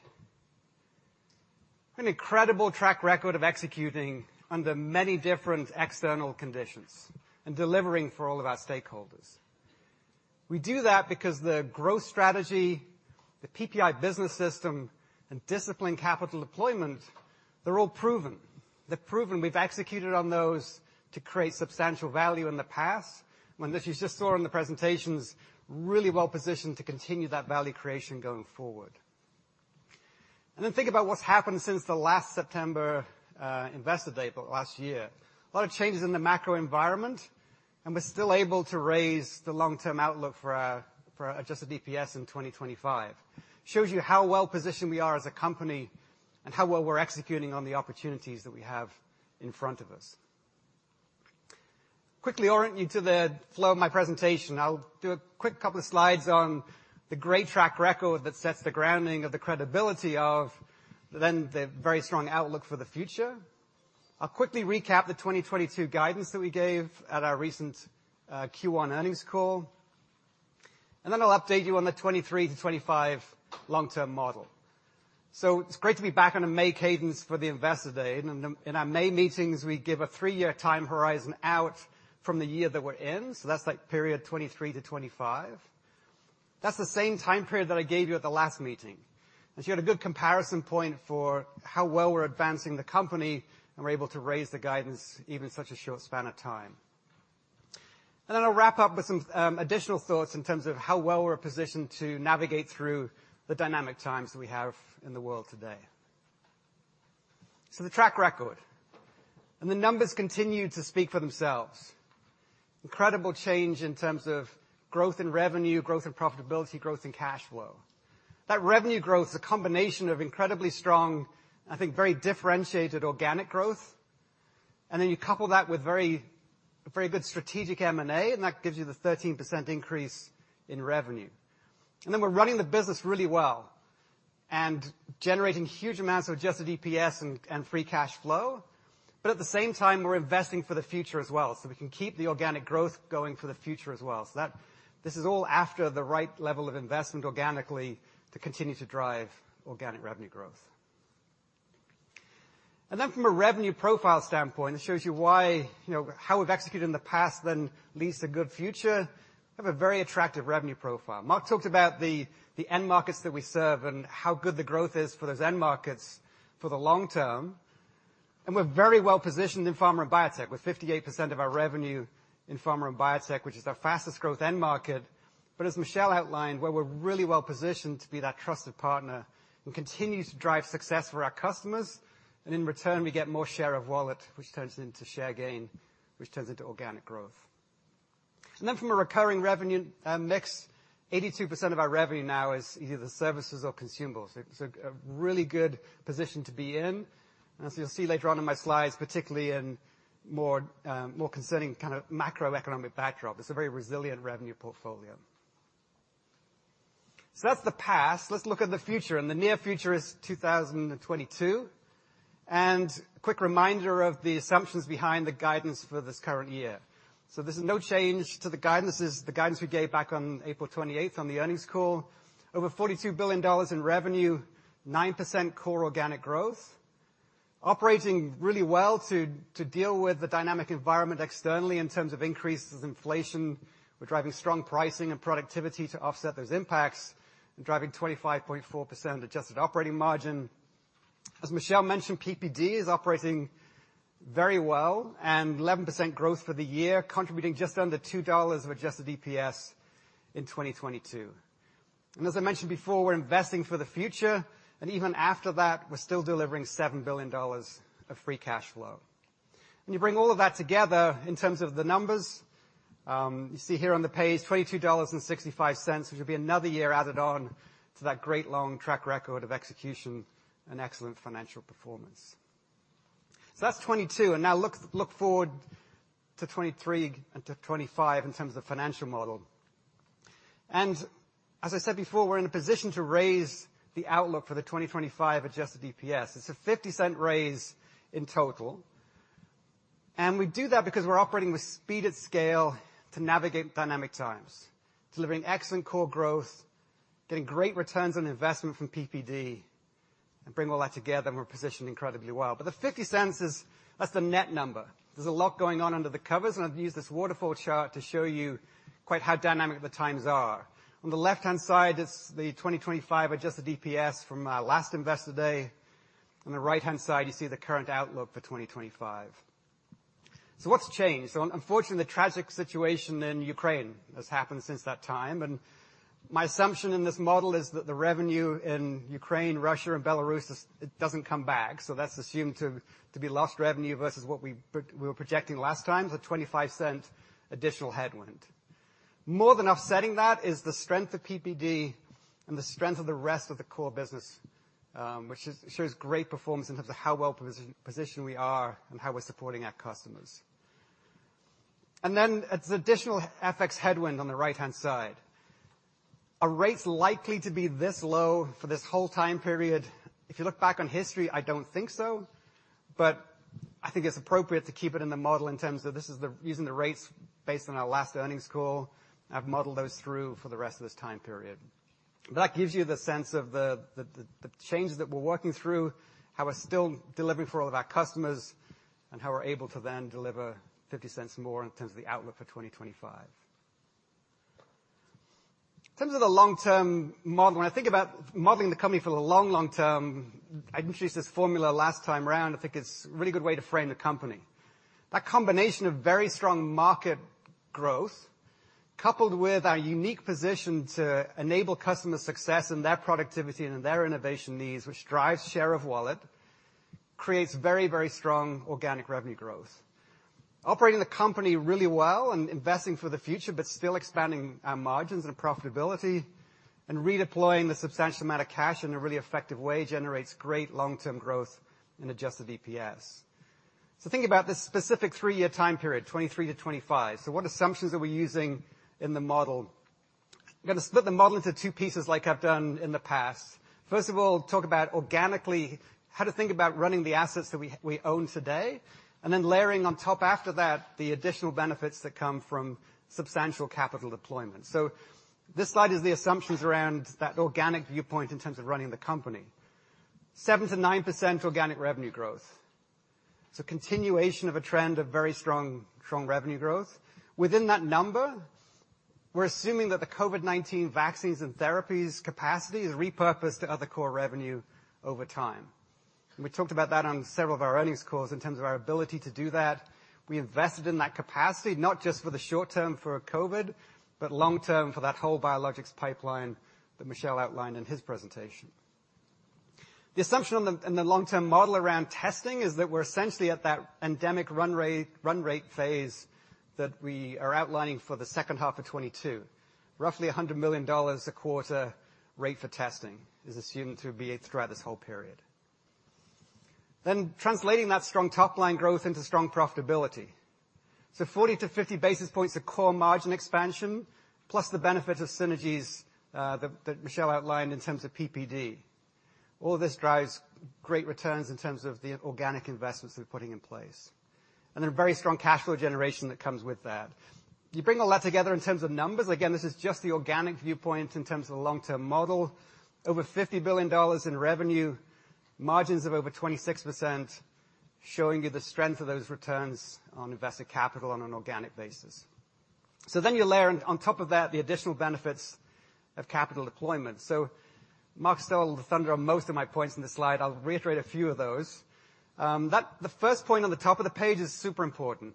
An incredible track record of executing under many different external conditions and delivering for all of our stakeholders. We do that because the growth strategy, the PPI business system, and disciplined capital deployment, they're all proven. We've executed on those to create substantial value in the past, and as you just saw in the presentations, we're really well positioned to continue that value creation going forward. Think about what's happened since the last September Investor Day for last year. A lot of changes in the macro environment, and we're still able to raise the long-term outlook for adjusted EPS in 2025. Shows you how well positioned we are as a company and how well we're executing on the opportunities that we have in front of us. Quickly orient you to the flow of my presentation. I'll do a quick couple of slides on the great track record that sets the grounding of the credibility of then the very strong outlook for the future. I'll quickly recap the 2022 guidance that we gave at our recent Q1 earnings call. I'll update you on the 2023-2025 long-term model. It's great to be back on a May cadence for the Investor Day. In our May meetings, we give a three-year time horizon out from the year that we're in, so that's like period 2023-2025. That's the same time period that I gave you at the last meeting. You had a good comparison point for how well we're advancing the company and we're able to raise the guidance even in such a short span of time. I'll wrap up with some additional thoughts in terms of how well we're positioned to navigate through the dynamic times that we have in the world today. The track record and the numbers continue to speak for themselves. Incredible change in terms of growth in revenue, growth in profitability, growth in cash flow. That revenue growth is a combination of incredibly strong, I think, very differentiated organic growth. Then you couple that with very, very good strategic M&A, and that gives you the 13% increase in revenue. Then we're running the business really well and generating huge amounts of adjusted EPS and free cash flow. At the same time, we're investing for the future as well, so we can keep the organic growth going for the future as well. That this is all after the right level of investment organically to continue to drive organic revenue growth. Then from a revenue profile standpoint, it shows you why, you know, how we've executed in the past, then leads to good future. We have a very attractive revenue profile. Marc talked about the end markets that we serve and how good the growth is for those end markets for the long term. We're very well-positioned in pharma and biotech, with 58% of our revenue in pharma and biotech, which is our fastest growth end market. As Michel outlined, where we're really well positioned to be that trusted partner who continues to drive success for our customers. In return, we get more share of wallet, which turns into share gain, which turns into organic growth. Then from a recurring revenue mix, 82% of our revenue now is either services or consumables. It's a really good position to be in. As you'll see later on in my slides, particularly in more concerning kind of macroeconomic backdrop. It's a very resilient revenue portfolio. That's the past. Let's look at the future. The near future is 2022. Quick reminder of the assumptions behind the guidance for this current year. This is no change to the guidance. This is the guidance we gave back on April 28th on the earnings call. Over $42 billion in revenue, 9% core organic growth. Operating really well to deal with the dynamic environment externally in terms of increases in inflation. We're driving strong pricing and productivity to offset those impacts and driving 25.4% adjusted operating margin. As Michel mentioned, PPD is operating very well, and 11% growth for the year, contributing just under $2 of adjusted EPS in 2022. As I mentioned before, we're investing for the future, and even after that, we're still delivering $7 billion of free cash flow. When you bring all of that together in terms of the numbers, you see here on the page $22.65, which will be another year added on to that great long track record of execution and excellent financial performance. That's 2022. Now look forward to 2023 and to 2025 in terms of financial model. As I said before, we're in a position to raise the outlook for the 2025 adjusted EPS. It's a 50-cent raise in total. We do that because we're operating with speed and scale to navigate dynamic times, delivering excellent core growth, getting great returns on investment from PPD, and bring all that together, and we're positioned incredibly well. The 50 cents is, that's the net number. There's a lot going on under the covers, and I've used this waterfall chart to show you quite how dynamic the times are. On the left-hand side is the 2025 adjusted EPS from our last Investor Day. On the right-hand side, you see the current outlook for 2025. What's changed? Unfortunately, the tragic situation in Ukraine has happened since that time. My assumption in this model is that the revenue in Ukraine, Russia, and Belarus doesn't come back. That's assumed to be lost revenue versus what we were projecting last time, the $0.25 additional headwind. More than offsetting that is the strength of PPD and the strength of the rest of the core business, which shows great performance in terms of how well positioned we are and how we're supporting our customers. It's additional FX headwind on the right-hand side. Are rates likely to be this low for this whole time period? If you look back on history, I don't think so, but I think it's appropriate to keep it in the model in terms of this is the, using the rates based on our last earnings call. I've modeled those through for the rest of this time period. That gives you the sense of the changes that we're working through, how we're still delivering for all of our customers, and how we're able to then deliver $0.50 more in terms of the outlook for 2025. In terms of the long-term model, when I think about modeling the company for the long, long term, I introduced this formula last time around. I think it's a really good way to frame the company. That combination of very strong market growth, coupled with our unique position to enable customer success and their productivity and their innovation needs, which drives share of wallet, creates very, very strong organic revenue growth. Operating the company really well and investing for the future, but still expanding our margins and profitability and redeploying the substantial amount of cash in a really effective way generates great long-term growth in adjusted EPS. Think about this specific three-year time period, 2023-2025. What assumptions are we using in the model? I'm gonna split the model into two pieces like I've done in the past. First of all, talk about organically how to think about running the assets that we own today, and then layering on top after that, the additional benefits that come from substantial capital deployment. This slide is the assumptions around that organic viewpoint in terms of running the company. 7%-9% organic revenue growth. Continuation of a trend of very strong revenue growth. Within that number, we're assuming that the COVID-19 vaccines and therapies capacity is repurposed to other core revenue over time. We talked about that on several of our earnings calls in terms of our ability to do that. We invested in that capacity, not just for the short term for COVID, but long term for that whole biologics pipeline that Michel outlined in his presentation. The assumption in the long-term model around testing is that we're essentially at that endemic run rate phase that we are outlining for the second half of 2022. Roughly $100 million a quarter rate for testing is assumed to be throughout this whole period. Translating that strong top-line growth into strong profitability. Forty to 50 basis points of core margin expansion, plus the benefit of synergies, that Michel outlined in terms of PPD. All this drives great returns in terms of the organic investments we're putting in place. Very strong cash flow generation that comes with that. You bring all that together in terms of numbers, again, this is just the organic viewpoint in terms of the long-term model. Over $50 billion in revenue, margins of over 26%, showing you the strength of those returns on invested capital on an organic basis. You layer on top of that the additional benefits of capital deployment. Marc stole the thunder on most of my points in this slide. I'll reiterate a few of those. The first point on the top of the page is super important.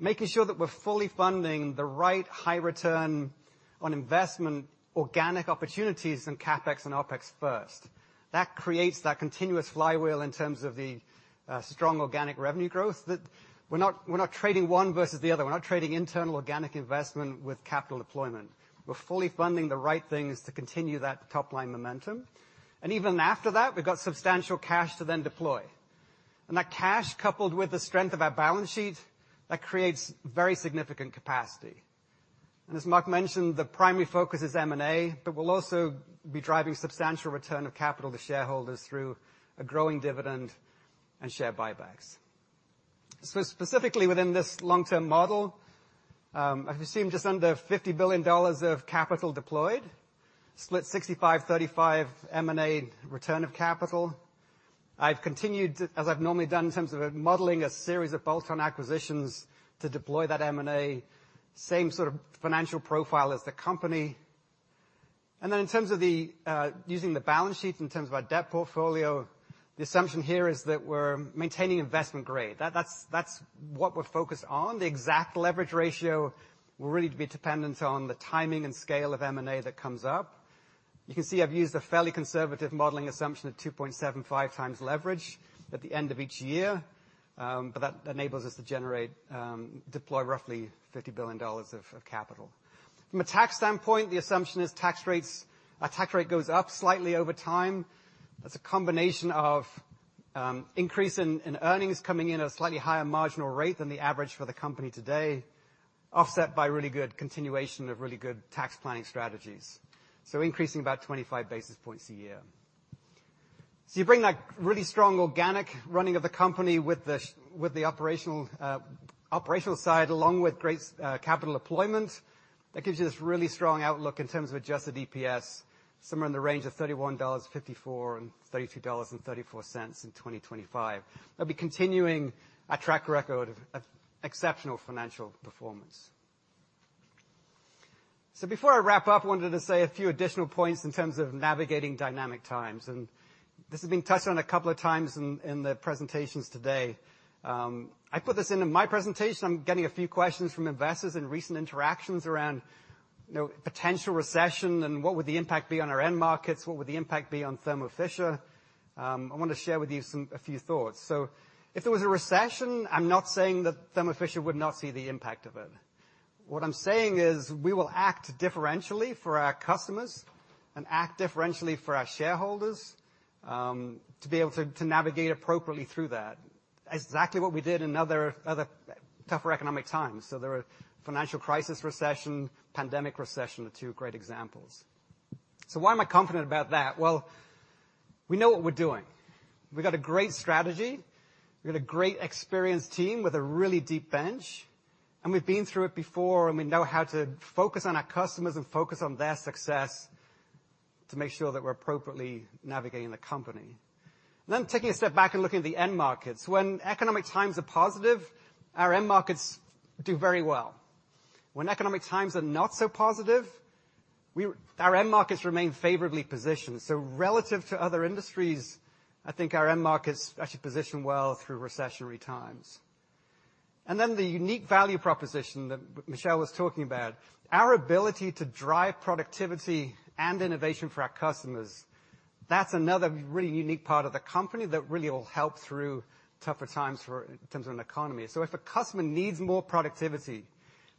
Making sure that we're fully funding the right high return on investment organic opportunities in CapEx and OpEx first. That creates that continuous flywheel in terms of the strong organic revenue growth that we're not trading one versus the other. We're not trading internal organic investment with capital deployment. We're fully funding the right things to continue that top-line momentum. Even after that, we've got substantial cash to then deploy. That cash, coupled with the strength of our balance sheet, creates very significant capacity. As Marc mentioned, the primary focus is M&A, but we'll also be driving substantial return of capital to shareholders through a growing dividend and share buybacks. Specifically within this long-term model, I've assumed just under $50 billion of capital deployed. Split 65-35 M&A return of capital. I've continued to, as I've normally done in terms of modeling a series of bolt-on acquisitions to deploy that M&A, same sort of financial profile as the company. Then in terms of using the balance sheet in terms of our debt portfolio, the assumption here is that we're maintaining investment grade. That's what we're focused on. The exact leverage ratio will really be dependent on the timing and scale of M&A that comes up. You can see I've used a fairly conservative modeling assumption of 2.75x leverage at the end of each year. But that enables us to deploy roughly $50 billion of capital. From a tax standpoint, the assumption is our tax rate goes up slightly over time. That's a combination of increase in earnings coming in at a slightly higher marginal rate than the average for the company today, offset by really good continuation of really good tax planning strategies. Increasing about 25 basis points a year. You bring that really strong organic running of the company with the operational side, along with great capital employment, that gives you this really strong outlook in terms of adjusted EPS, somewhere in the range of $31.54-$32.34 in 2025. That'll be continuing our track record of exceptional financial performance. Before I wrap up, I wanted to say a few additional points in terms of navigating dynamic times. This has been touched on a couple of times in the presentations today. I put this into my presentation. I'm getting a few questions from investors in recent interactions around, you know, potential recession and what would the impact be on our end markets? What would the impact be on Thermo Fisher? I want to share with you a few thoughts. If there was a recession, I'm not saying that Thermo Fisher would not see the impact of it. What I'm saying is we will act differentially for our customers and act differentially for our shareholders, to be able to navigate appropriately through that. Exactly what we did in other tougher economic times. The financial crisis recession, pandemic recession are two great examples. Why am I confident about that? Well, we know what we're doing. We've got a great strategy. We've got a great experienced team with a really deep bench, and we've been through it before and we know how to focus on our customers and focus on their success to make sure that we're appropriately navigating the company. Taking a step back and looking at the end markets. When economic times are positive, our end markets do very well. When economic times are not so positive, our end markets remain favorably positioned. Relative to other industries, I think our end markets actually position well through recessionary times. The unique value proposition that Michel was talking about. Our ability to drive productivity and innovation for our customers, that's another really unique part of the company that really will help through tougher times for, in terms of an economy. If a customer needs more productivity,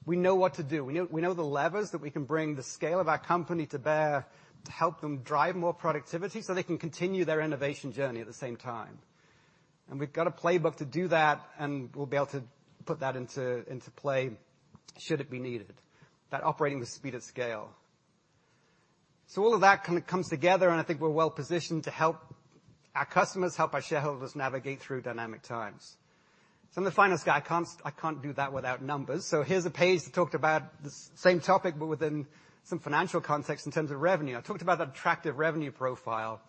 we know what to do. We know the levers that we can bring the scale of our company to bear to help them drive more productivity so they can continue their innovation journey at the same time. We've got a playbook to do that, and we'll be able to put that into play should it be needed. That operating with speed and scale. All of that kind of comes together, and I think we're well positioned to help our customers, help our shareholders navigate through dynamic times. In the financial guide, I can't do that without numbers. Here's a page that talked about the same topic, but within some financial context in terms of revenue. I talked about that attractive revenue profile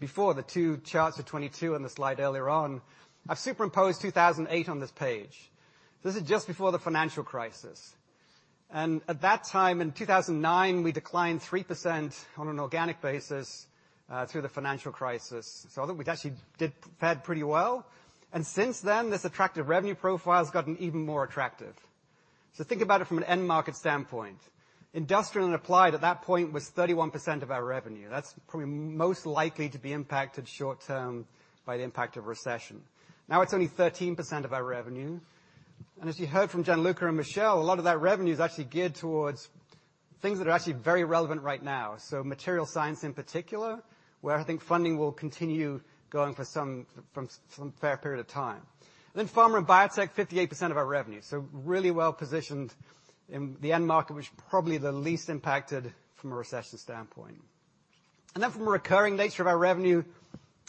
before the two charts of 2022 and the slide earlier on. I've superimposed 2008 on this page. This is just before the financial crisis. At that time, in 2009, we declined 3% on an organic basis through the financial crisis. I think we actually did fare pretty well. Since then, this attractive revenue profile has gotten even more attractive. Think about it from an end market standpoint. Industrial and applied at that point was 31% of our revenue. That's probably most likely to be impacted short term by the impact of recession. Now it's only 13% of our revenue. As you heard from Gianluca and Michel, a lot of that revenue is actually geared towards things that are actually very relevant right now. Materials science in particular, where I think funding will continue for some fair period of time. Pharma and biotech, 58% of our revenue. Really well-positioned in the end market, which probably the least impacted from a recession standpoint. Then from a recurring nature of our revenue,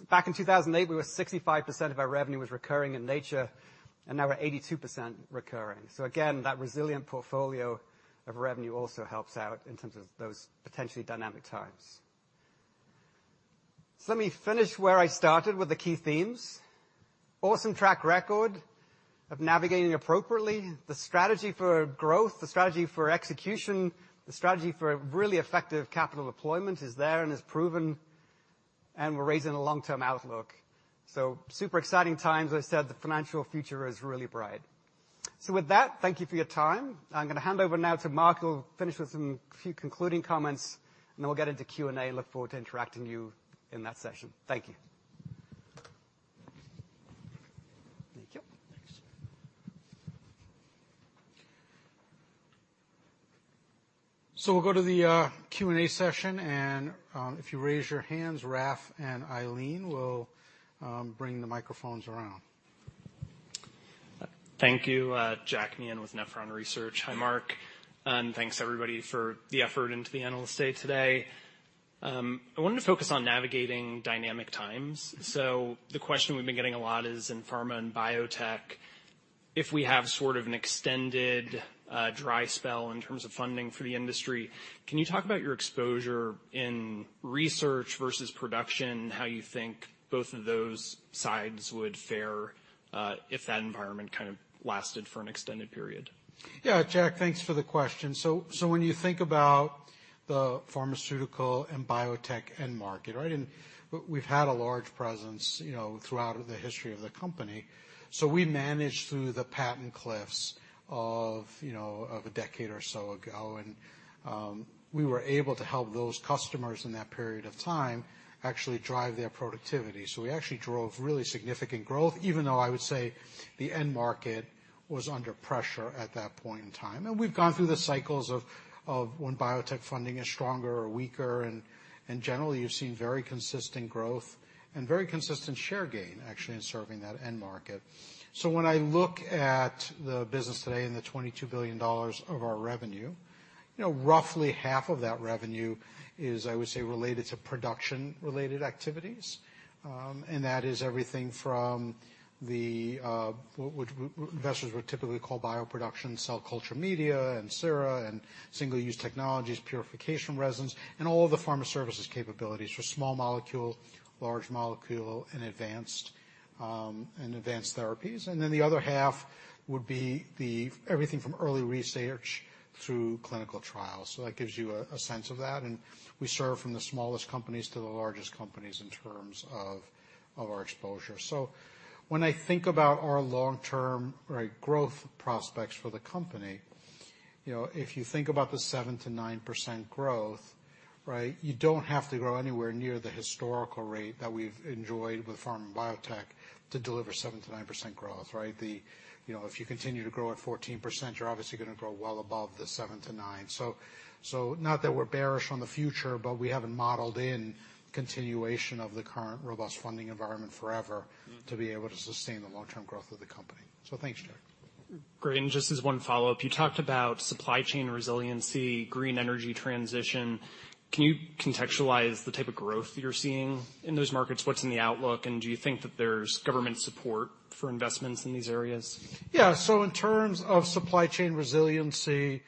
back in 2008, we were 65% of our revenue was recurring in nature, and now we're 82% recurring. Again, that resilient portfolio of revenue also helps out in terms of those potentially dynamic times. Let me finish where I started with the key themes. Awesome track record of navigating appropriately, the strategy for growth, the strategy for execution, the strategy for really effective capital deployment is there and is proven, and we're raising a long-term outlook. Super exciting times. As I said, the financial future is really bright. With that, thank you for your time. I'm gonna hand over now to Marc Casper, who'll finish with some few concluding comments, and then we'll get into Q&A. Look forward to interacting you in that session. Thank you. Thank you. Thanks. We'll go to the Q&A session, and if you raise your hands, Rafael and Eileen will bring the microphones around. Thank you. Jack Meehan with Nephron Research. Hi, Marc, and thanks everybody for the effort into the analyst day today. I wanted to focus on navigating dynamic times. The question we've been getting a lot is in pharma and biotech, if we have sort of an extended, dry spell in terms of funding for the industry, can you talk about your exposure in research versus production? How you think both of those sides would fare, if that environment kind of lasted for an extended period? Yeah. Jack, thanks for the question. When you think about the pharmaceutical and biotech end market, right? We've had a large presence, you know, throughout the history of the company. We managed through the patent cliffs of, you know, of a decade or so ago, and we were able to help those customers in that period of time actually drive their productivity. We actually drove really significant growth, even though I would say the end market was under pressure at that point in time. We've gone through the cycles of when biotech funding is stronger or weaker, and generally, you've seen very consistent growth and very consistent share gain, actually, in serving that end market. When I look at the business today and the $22 billion of our revenue, you know, roughly half of that revenue is, I would say, related to production-related activities. That is everything from the which investors would typically call bioproduction, cell culture media, and sera, and single-use technologies, purification resins, and all of the pharma services capabilities for small molecule, large molecule, and advanced therapies. Then the other half would be everything from early research through clinical trials. That gives you a sense of that, and we serve from the smallest companies to the largest companies in terms of our exposure. When I think about our long-term, right, growth prospects for the company, you know, if you think about the 7%-9% growth, right? You don't have to grow anywhere near the historical rate that we've enjoyed with pharma and biotech to deliver 7%-9% growth, right? The, you know, if you continue to grow at 14%, you're obviously gonna grow well above the 7%-9%. Not that we're bearish on the future, but we haven't modeled in continuation of the current robust funding environment forever to be able to sustain the long-term growth of the company. Thanks, Jack. Great. Just as one follow-up, you talked about supply chain resiliency, green energy transition. Can you contextualize the type of growth that you're seeing in those markets? What's in the outlook, and do you think that there's government support for investments in these areas? Yeah. In terms of supply chain resiliency,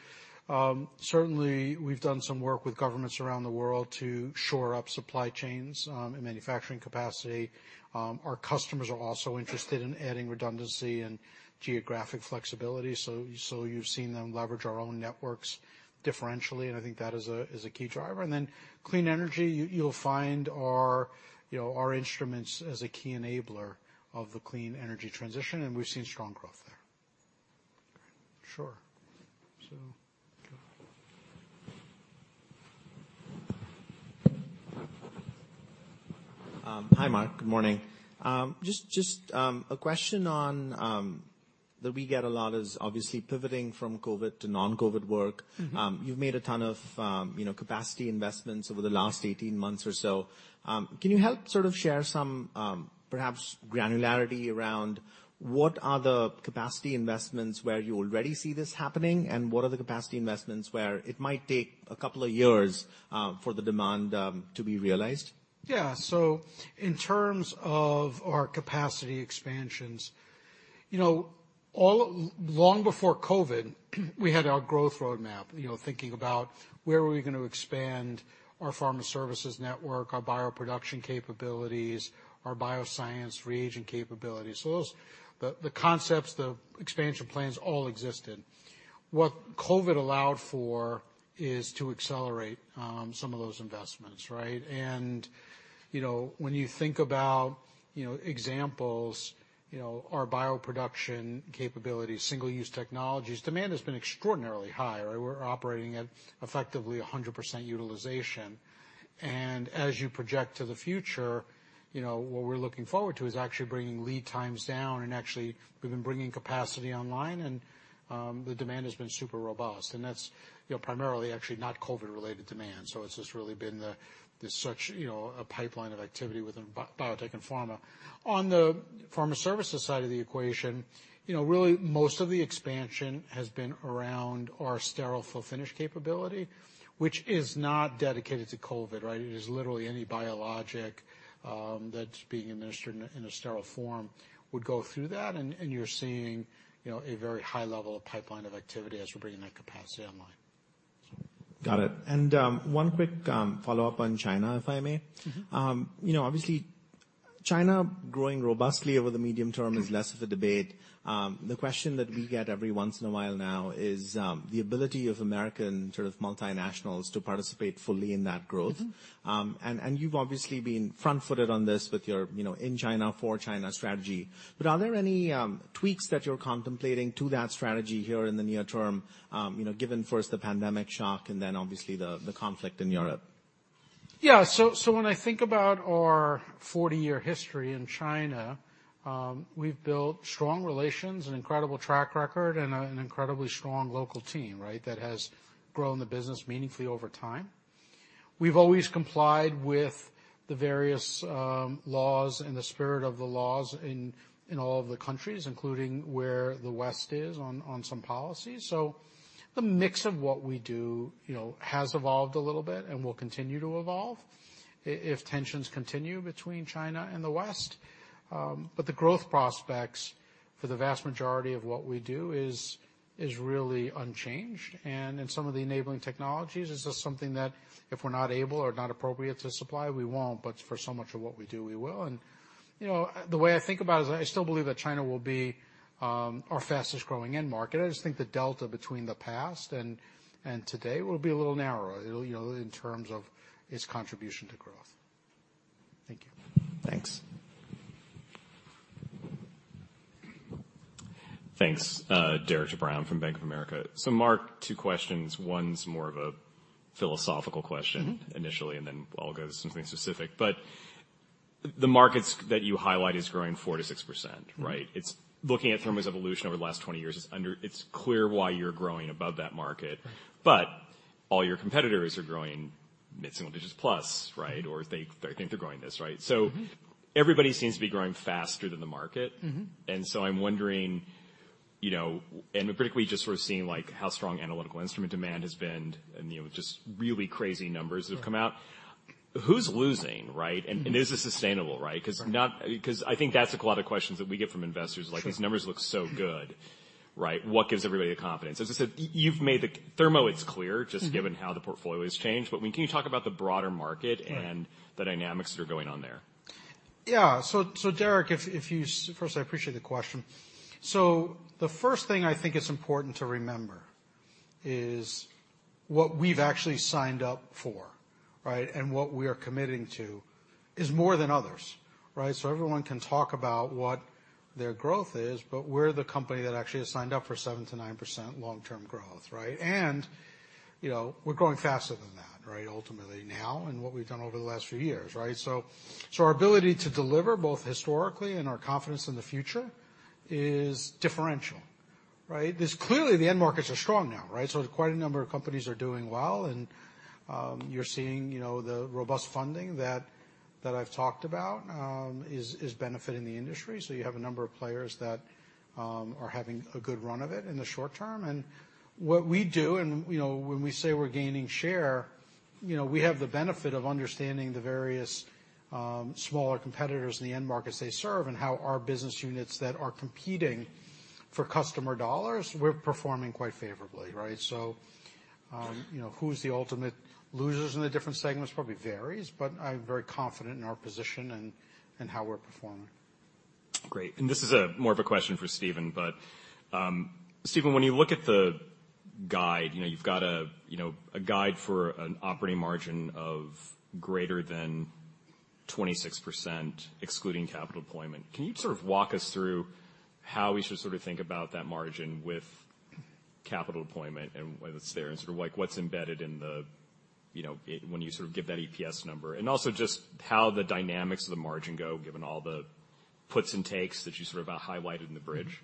certainly we've done some work with governments around the world to shore up supply chains, and manufacturing capacity. Our customers are also interested in adding redundancy and geographic flexibility, so you've seen them leverage our own networks differentially, and I think that is a key driver. Then clean energy, you'll find our, you know, our instruments as a key enabler of the clean energy transition, and we've seen strong growth there. Great. Sure. Go ahead. Hi, Marc. Good morning. Just a question on that we get a lot is obviously pivoting from COVID to non-COVID work. Mm-hmm. You've made a ton of, you know, capacity investments over the last 18 months or so. Can you help sort of share some, perhaps granularity around what are the capacity investments where you already see this happening, and what are the capacity investments where it might take a couple of years, for the demand to be realized? Yeah. In terms of our capacity expansions, you know, long before COVID, we had our growth roadmap, you know, thinking about where we were gonna expand our pharma services network, our bioproduction capabilities, our bioscience reagent capabilities. Those, the concepts, the expansion plans all existed. What COVID allowed for is to accelerate some of those investments, right? You know, when you think about examples, you know, our bioproduction capabilities, single-use technologies, demand has been extraordinarily high. We're operating at effectively 100% utilization. As you project to the future, you know, what we're looking forward to is actually bringing lead times down, and actually, we've been bringing capacity online and the demand has been super robust. That's, you know, primarily actually not COVID-related demand. It's just really been such, you know, a pipeline of activity within biotech and pharma. On the pharma services side of the equation, you know, really most of the expansion has been around our sterile fill-finish capability, which is not dedicated to COVID, right? It is literally any biologic that's being administered in a sterile form would go through that. You're seeing, you know, a very high level of pipeline of activity as we're bringing that capacity online. Got it. One quick follow-up on China, if I may? Mm-hmm. You know, obviously China growing robustly over the medium term is less of a debate. The question that we get every once in a while now is the ability of American sort of multinationals to participate fully in that growth. Mm-hmm. You've obviously been front-footed on this with your, you know, In China for China strategy. Are there any tweaks that you're contemplating to that strategy here in the near term, you know, given first the pandemic shock and then obviously the conflict in Europe? When I think about our 40-year history in China, we've built strong relations, an incredible track record, and an incredibly strong local team, right? That has grown the business meaningfully over time. We've always complied with the various laws and the spirit of the laws in all of the countries, including where the West is on some policies. The mix of what we do, you know, has evolved a little bit and will continue to evolve if tensions continue between China and the West. The growth prospects for the vast majority of what we do is really unchanged. In some of the enabling technologies, is this something that if we're not able or not appropriate to supply, we won't, but for so much of what we do, we will. You know, the way I think about it is I still believe that China will be our fastest-growing end market. I just think the delta between the past and today will be a little narrower, you know, in terms of its contribution to growth. Thank you. Thanks. Thanks. Derik De Bruin from Bank of America. Marc Casper, two questions. One's more of a philosophical question. Initially, and then I'll go to something specific. The markets that you highlight is growing 4%-6%, right? Looking at Thermo's evolution over the last 20 years, it's clear why you're growing above that market, but all your competitors are growing mid-single digits plus, right? Or they think they're growing this, right? Mm-hmm. Everybody seems to be growing faster than the market. Mm-hmm. I'm wondering, you know, and particularly just sort of seeing like how strong analytical instrument demand has been and, you know, just really crazy numbers that have come out. Yeah. Who's losing, right? Mm-hmm. Is this sustainable, right? Right. Because I think that's a lot of questions that we get from investors. Sure. Like, these numbers look so good, right? What gives everybody the confidence? As I said, you've made Thermo, it's clear. Mm-hmm. Just given how the portfolio has changed. I mean, can you talk about the broader market? Right. The dynamics that are going on there? Derik, First, I appreciate the question. The first thing I think is important to remember is what we've actually signed up for, right? What we are committing to is more than others, right? Everyone can talk about what their growth is, but we're the company that actually has signed up for 7%-9% long-term growth, right? You know, we're growing faster than that, right? Ultimately now, and what we've done over the last few years, right? Our ability to deliver, both historically and our confidence in the future, is differential, right? This. Clearly, the end markets are strong now, right? Quite a number of companies are doing well, and you're seeing, you know, the robust funding that I've talked about is benefiting the industry. You have a number of players that are having a good run of it in the short term. What we do and, you know, when we say we're gaining share, you know, we have the benefit of understanding the various smaller competitors in the end markets they serve and how our business units that are competing for customer dollars, we're performing quite favorably, right? You know, who's the ultimate losers in the different segments probably varies, but I'm very confident in our position and how we're performing. Great. This is more of a question for Stephen, but Stephen, when you look at the guide, you know, you've got a you know, a guide for an operating margin of greater than 26%, excluding capital deployment. Can you sort of walk us through how we should sort of think about that margin with capital deployment and why that's there, and sort of like what's embedded in the, you know, when you sort of give that EPS number? And also just how the dynamics of the margin go, given all the puts and takes that you sort of highlighted in the bridge.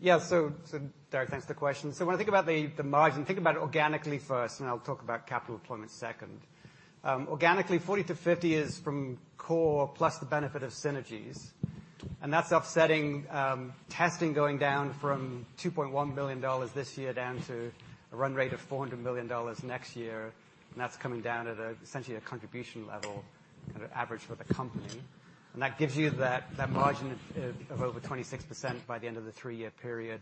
Yeah. Derik, thanks for the question. When I think about the margin, think about it organically first, and I'll talk about capital deployment second. Organically, 40-50 basis points is from core plus the benefit of synergies. That's offsetting testing going down from $2.1 billion this year down to a run rate of $400 million next year. That's coming down at essentially a contribution level, kind of average for the company. That gives you that margin of over 26% by the end of the 3-year period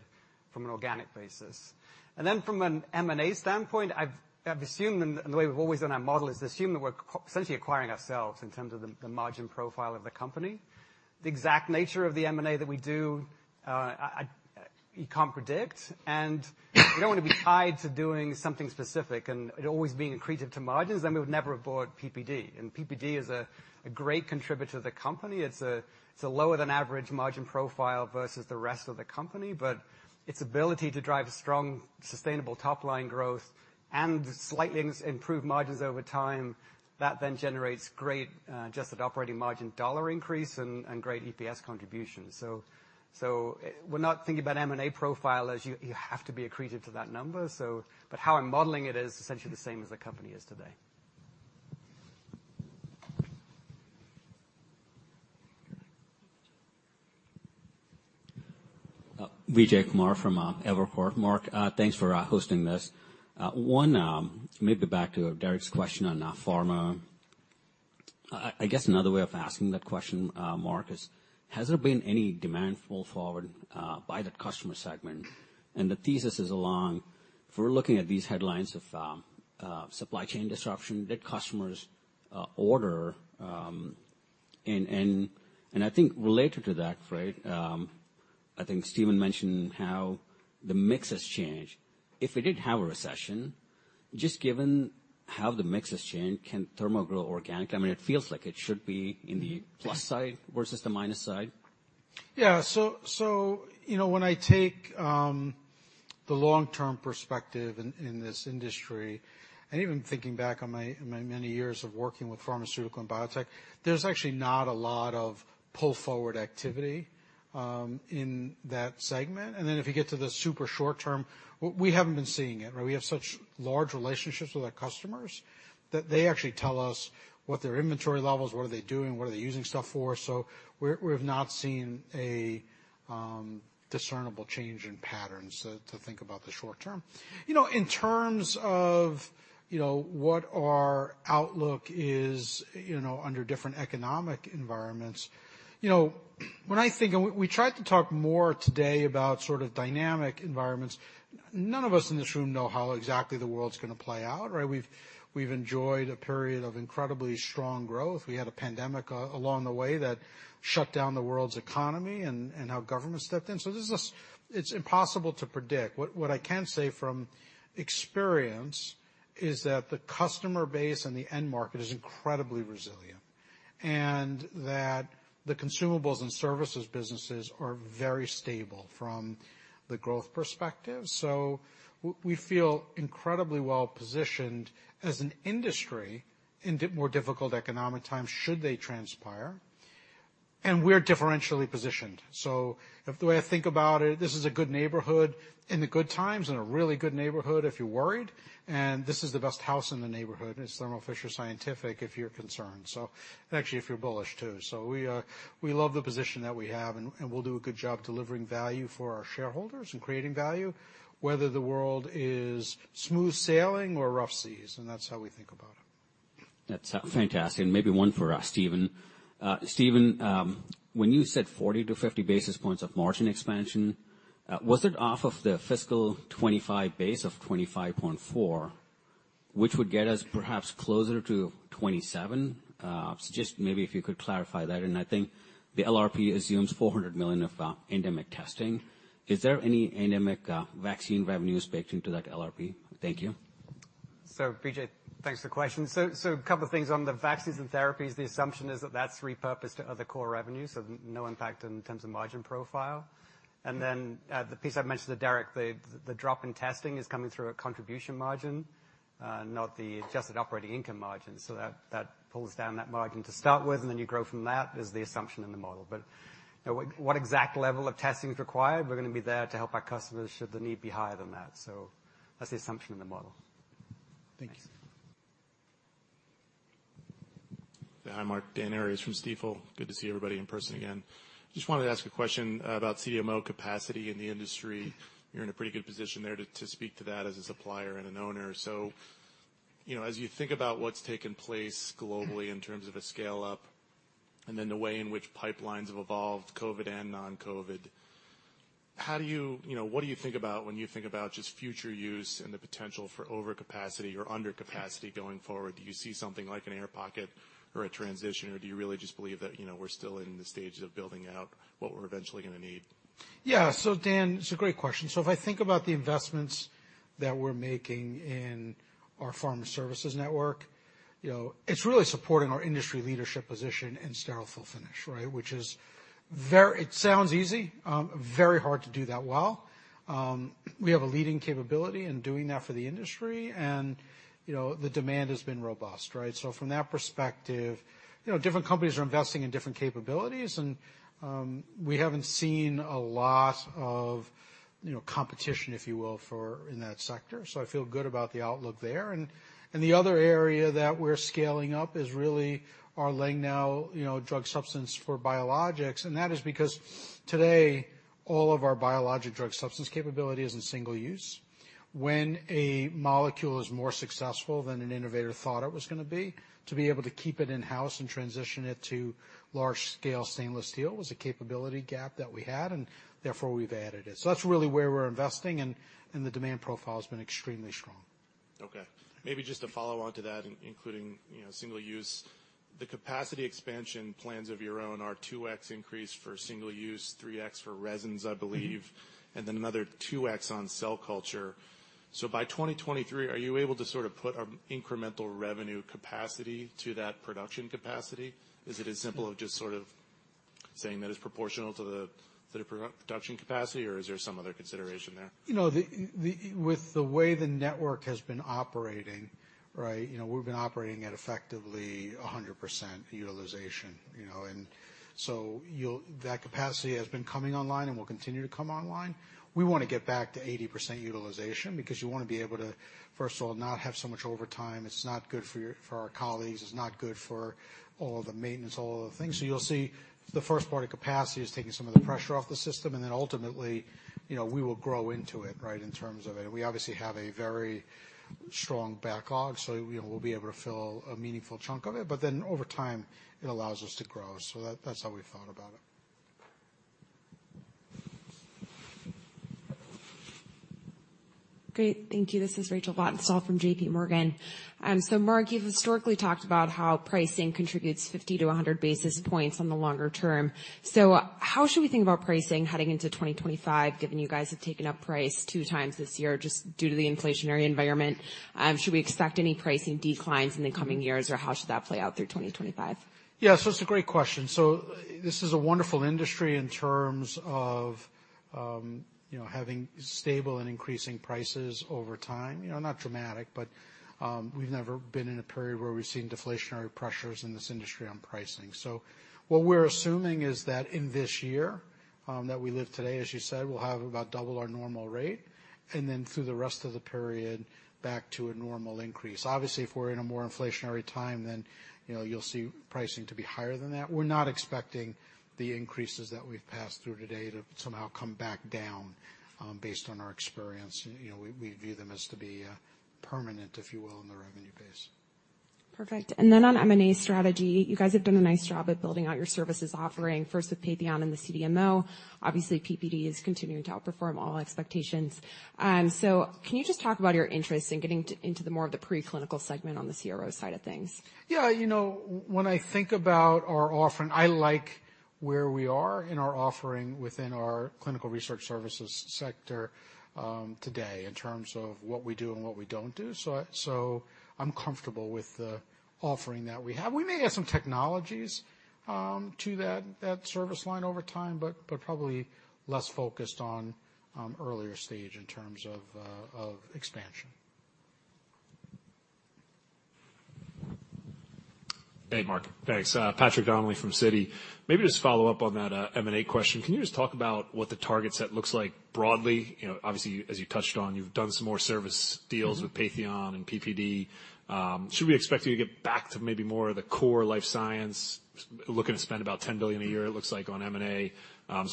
from an organic basis. Then from an M&A standpoint, I've assumed, and the way we've always done our model is assume that we're essentially acquiring ourselves in terms of the margin profile of the company. The exact nature of the M&A that we do, you can't predict, and you don't wanna be tied to doing something specific and it always being accretive to margins, then we would never have bought PPD. PPD is a great contributor to the company. It's a lower than average margin profile versus the rest of the company, but its ability to drive strong, sustainable top-line growth and slightly improve margins over time, that then generates great adjusted operating margin dollar increase and great EPS contributions. We're not thinking about M&A profile as you have to be accretive to that number, so. How I'm modeling it is essentially the same as the company is today. Vijay Kumar. Vijay Kumar from Evercore. Marc, thanks for hosting this. Maybe back to Derik's question on pharma. I guess another way of asking that question, Marc, is has there been any demand pull forward by the customer segment? The thesis is along if we're looking at these headlines of supply chain disruption that customers order. I think related to that, right. I think Stephen mentioned how the mix has changed. If we did have a recession, just given how the mix has changed, can Thermo grow organic? I mean, it feels like it should be on the plus side versus the minus side. You know, when I take the long-term perspective in this industry, and even thinking back on my many years of working with pharmaceutical and biotech, there's actually not a lot of pull-forward activity in that segment. Then if you get to the super short term, we haven't been seeing it, right? We have such large relationships with our customers that they actually tell us what their inventory levels are, what they are doing, what they are using stuff for. We've not seen a discernible change in patterns to think about the short term. You know, in terms of you know, what our outlook is, you know, under different economic environments, you know, when I think we tried to talk more today about sort of dynamic environments. None of us in this room know how exactly the world's gonna play out, right? We've enjoyed a period of incredibly strong growth. We had a pandemic along the way that shut down the world's economy and how governments stepped in. This is. It's impossible to predict. What I can say from experience is that the customer base and the end market is incredibly resilient, and that the consumables and services businesses are very stable from the growth perspective. We feel incredibly well positioned as an industry in more difficult economic times should they transpire, and we're differentially positioned. If the way I think about it, this is a good neighborhood in the good times and a really good neighborhood if you're worried, and this is the best house in the neighborhood, it's Thermo Fisher Scientific, if you're concerned. Actually, if you're bullish too. We love the position that we have and we'll do a good job delivering value for our shareholders and creating value whether the world is smooth sailing or rough seas, and that's how we think about it. That's fantastic. Maybe one for Stephen. Stephen, when you said 40-50 basis points of margin expansion, was it off of the fiscal 2025 base of 25.4%, which would get us perhaps closer to 27%? Just maybe if you could clarify that. I think the LRP assumes $400 million of endemic testing. Is there any endemic vaccine revenue baked into that LRP? Thank you. Vijay, thanks for the question. A couple of things. On the vaccines and therapies, the assumption is that that's repurposed to other core revenues, so no impact in terms of margin profile. Then, the piece I've mentioned to Derik, the drop in testing is coming through a contribution margin, not the adjusted operating income margin. That pulls down that margin to start with, and then you grow from that is the assumption in the model. What exact level of testing is required, we're gonna be there to help our customers should the need be higher than that. That's the assumption in the model. Thank you. Thanks. Hi, Marc. Dan Arias from Stifel. Good to see everybody in person again. Just wanted to ask a question about CMO capacity in the industry. You're in a pretty good position there to speak to that as a supplier and an owner. You know, as you think about what's taken place globally in terms of a scale up and then the way in which pipelines have evolved, COVID and non-COVID, how do you. You know, what do you think about when you think about just future use and the potential for overcapacity or undercapacity going forward? Do you see something like an air pocket or a transition, or do you really just believe that, you know, we're still in the stages of building out what we're eventually gonna need? Yeah. Dan, it's a great question. If I think about the investments that we're making in our pharma services network, you know, it's really supporting our industry leadership position in sterile fill-finish, right? Which is very hard to do that well. We have a leading capability in doing that for the industry and, you know, the demand has been robust, right? From that perspective, you know, different companies are investing in different capabilities, and, we haven't seen a lot of, you know, competition, if you will, for in that sector. I feel good about the outlook there. The other area that we're scaling up is really our Patheon now, you know, drug substance for biologics. That is because today, all of our biologic drug substance capability is in single-use. When a molecule is more successful than an innovator thought it was gonna be, to be able to keep it in-house and transition it to large scale stainless steel was a capability gap that we had, and therefore we've added it. That's really where we're investing and the demand profile has been extremely strong. Okay. Maybe just to follow on to that, including, you know, single use. The capacity expansion plans of your own are 2x increase for single use, 3x for resins, I believe, and then another 2x on cell culture. By 2023, are you able to sort of put an incremental revenue capacity to that production capacity? Is it as simple as just sort of saying that it's proportional to the, to the production capacity, or is there some other consideration there? You know, with the way the network has been operating, right, you know, we've been operating at effectively 100% utilization, you know. That capacity has been coming online and will continue to come online. We wanna get back to 80% utilization because you wanna be able to, first of all, not have so much overtime. It's not good for our colleagues, it's not good for all the maintenance, all of the things. You'll see the first part of capacity is taking some of the pressure off the system, and then ultimately, you know, we will grow into it, right, in terms of it. We obviously have a very strong backlog, so we'll be able to fill a meaningful chunk of it. Then over time, it allows us to grow. That, that's how we thought about it. Great. Thank you. This is Rachel Vatnsdal from JPMorgan. Marc Casper, you've historically talked about how pricing contributes 50 basis point-100 basis points in the longer term. How should we think about pricing heading into 2025, given you guys have taken up price 2x this year just due to the inflationary environment? Should we expect any pricing declines in the coming years, or how should that play out through 2025? Yeah. It's a great question. This is a wonderful industry in terms of, you know, having stable and increasing prices over time, you know, not dramatic, but, we've never been in a period where we've seen deflationary pressures in this industry on pricing. What we're assuming is that in this year, that we live today, as you said, we'll have about double our normal rate, and then through the rest of the period back to a normal increase. Obviously, if we're in a more inflationary time, then, you know, you'll see pricing to be higher than that. We're not expecting the increases that we've passed through today to somehow come back down, based on our experience. You know, we view them as to be permanent, if you will, in the revenue base. Perfect. On M&A strategy, you guys have done a nice job at building out your services offering, first with Patheon and the CDMO. Obviously, PPD is continuing to outperform all expectations. Can you just talk about your interest in getting into the more of the preclinical segment on the CRO side of things? Yeah. You know, when I think about our offering, I like where we are in our offering within our clinical research services sector, today in terms of what we do and what we don't do. I'm comfortable with the offering that we have. We may add some technologies, to that service line over time, but probably less focused on, earlier stage in terms of expansion. Hey, Marc. Thanks. Patrick Donnelly from Citi. Maybe just follow up on that M&A question. Can you just talk about what the target set looks like broadly? You know, obviously, as you touched on, you've done some more service deals with Patheon and PPD. Should we expect you to get back to maybe more of the core life science, looking to spend about $10 billion a year, it looks like, on M&A?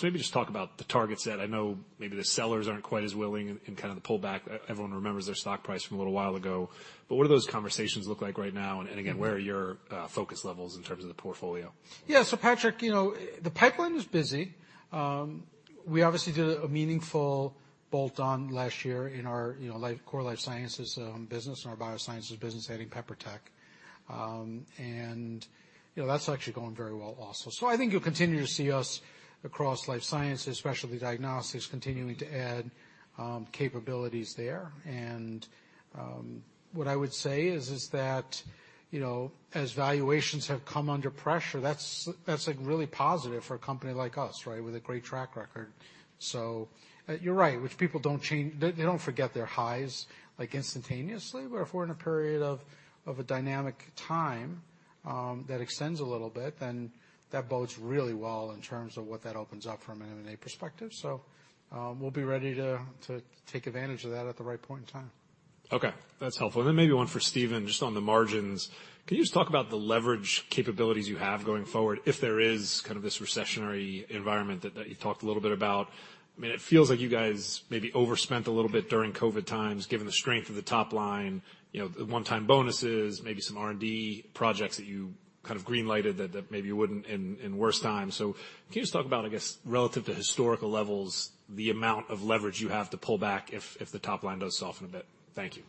Maybe just talk about the target set. I know maybe the sellers aren't quite as willing in kind of the pullback. Everyone remembers their stock price from a little while ago. What do those conversations look like right now? Again, where are your focus levels in terms of the portfolio? Yeah. Patrick, you know, the pipeline is busy. We obviously did a meaningful bolt on last year in our, you know, core life sciences business and our biosciences business adding Pepro Tech. You know, that's actually going very well also. I think you'll continue to see us across life sciences, specialty diagnostics, continuing to add capabilities there. What I would say is that, you know, as valuations have come under pressure, that's like really positive for a company like us, right, with a great track record. You're right, which people don't change, they don't forget their highs, like, instantaneously. But if we're in a period of a dynamic time that extends a little bit, then that bodes really well in terms of what that opens up from an M&A perspective. We'll be ready to take advantage of that at the right point in time. Okay, that's helpful. Maybe one for Stephen, just on the margins. Can you just talk about the leverage capabilities you have going forward if there is kind of this recessionary environment that you talked a little bit about? I mean, it feels like you guys maybe overspent a little bit during COVID times, given the strength of the top line, you know, the 1x bonuses, maybe some R&D projects that you kind of green lighted that maybe you wouldn't in worse times. Can you just talk about, I guess, relative to historical levels, the amount of leverage you have to pull back if the top line does soften a bit? Thank you.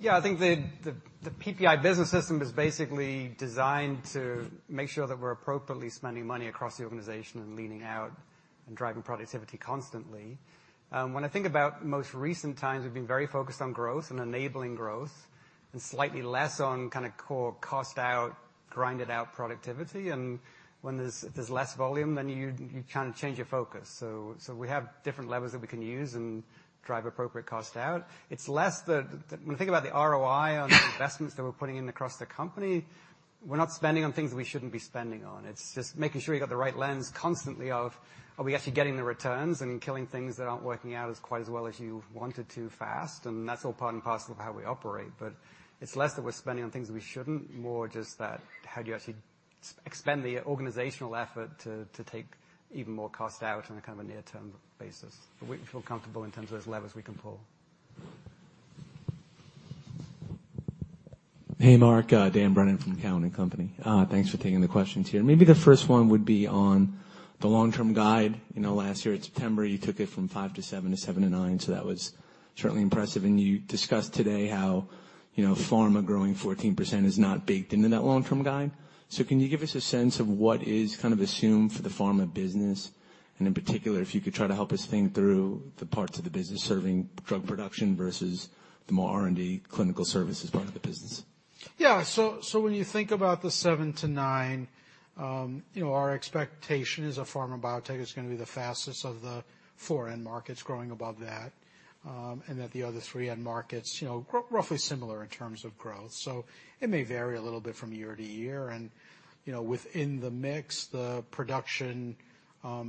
Yeah, I think the PPI business system is basically designed to make sure that we're appropriately spending money across the organization and leaning out and driving productivity constantly. When I think about most recent times, we've been very focused on growth and enabling growth and slightly less on kinda core cost out, grinded out productivity. If there's less volume, then you kinda change your focus. We have different levers that we can use and drive appropriate cost out. It's less when you think about the ROI on the investments that we're putting in across the company, we're not spending on things that we shouldn't be spending on. It's just making sure you got the right lens constantly of, are we actually getting the returns and killing things that aren't working out as quite as well as you wanted to fast? That's all part and parcel of how we operate. It's less that we're spending on things that we shouldn't, more just that how do you actually expend the organizational effort to take even more cost out on a kinda near-term basis. We feel comfortable in terms of those levers we can pull. Hey, Marc. Dan Brennan from Cowen & Company. Thanks for taking the questions here. Maybe the first one would be on the long-term guide. You know, last year in September, you took it from 5%-7%, to 7%-9%, so that was certainly impressive. You discussed today how, you know, pharma growing 14% is not baked into that long-term guide. Can you give us a sense of what is kind of assumed for the pharma business, and in particular, if you could try to help us think through the parts of the business serving drug production versus the more R&D clinical services part of the business? Yeah. So when you think about the 7%-9%, you know, our expectation as a pharma biotech is gonna be the fastest of the four end markets growing above that, and that the other three end markets, you know, grow roughly similar in terms of growth. It may vary a little bit from year to year. You know, within the mix, the production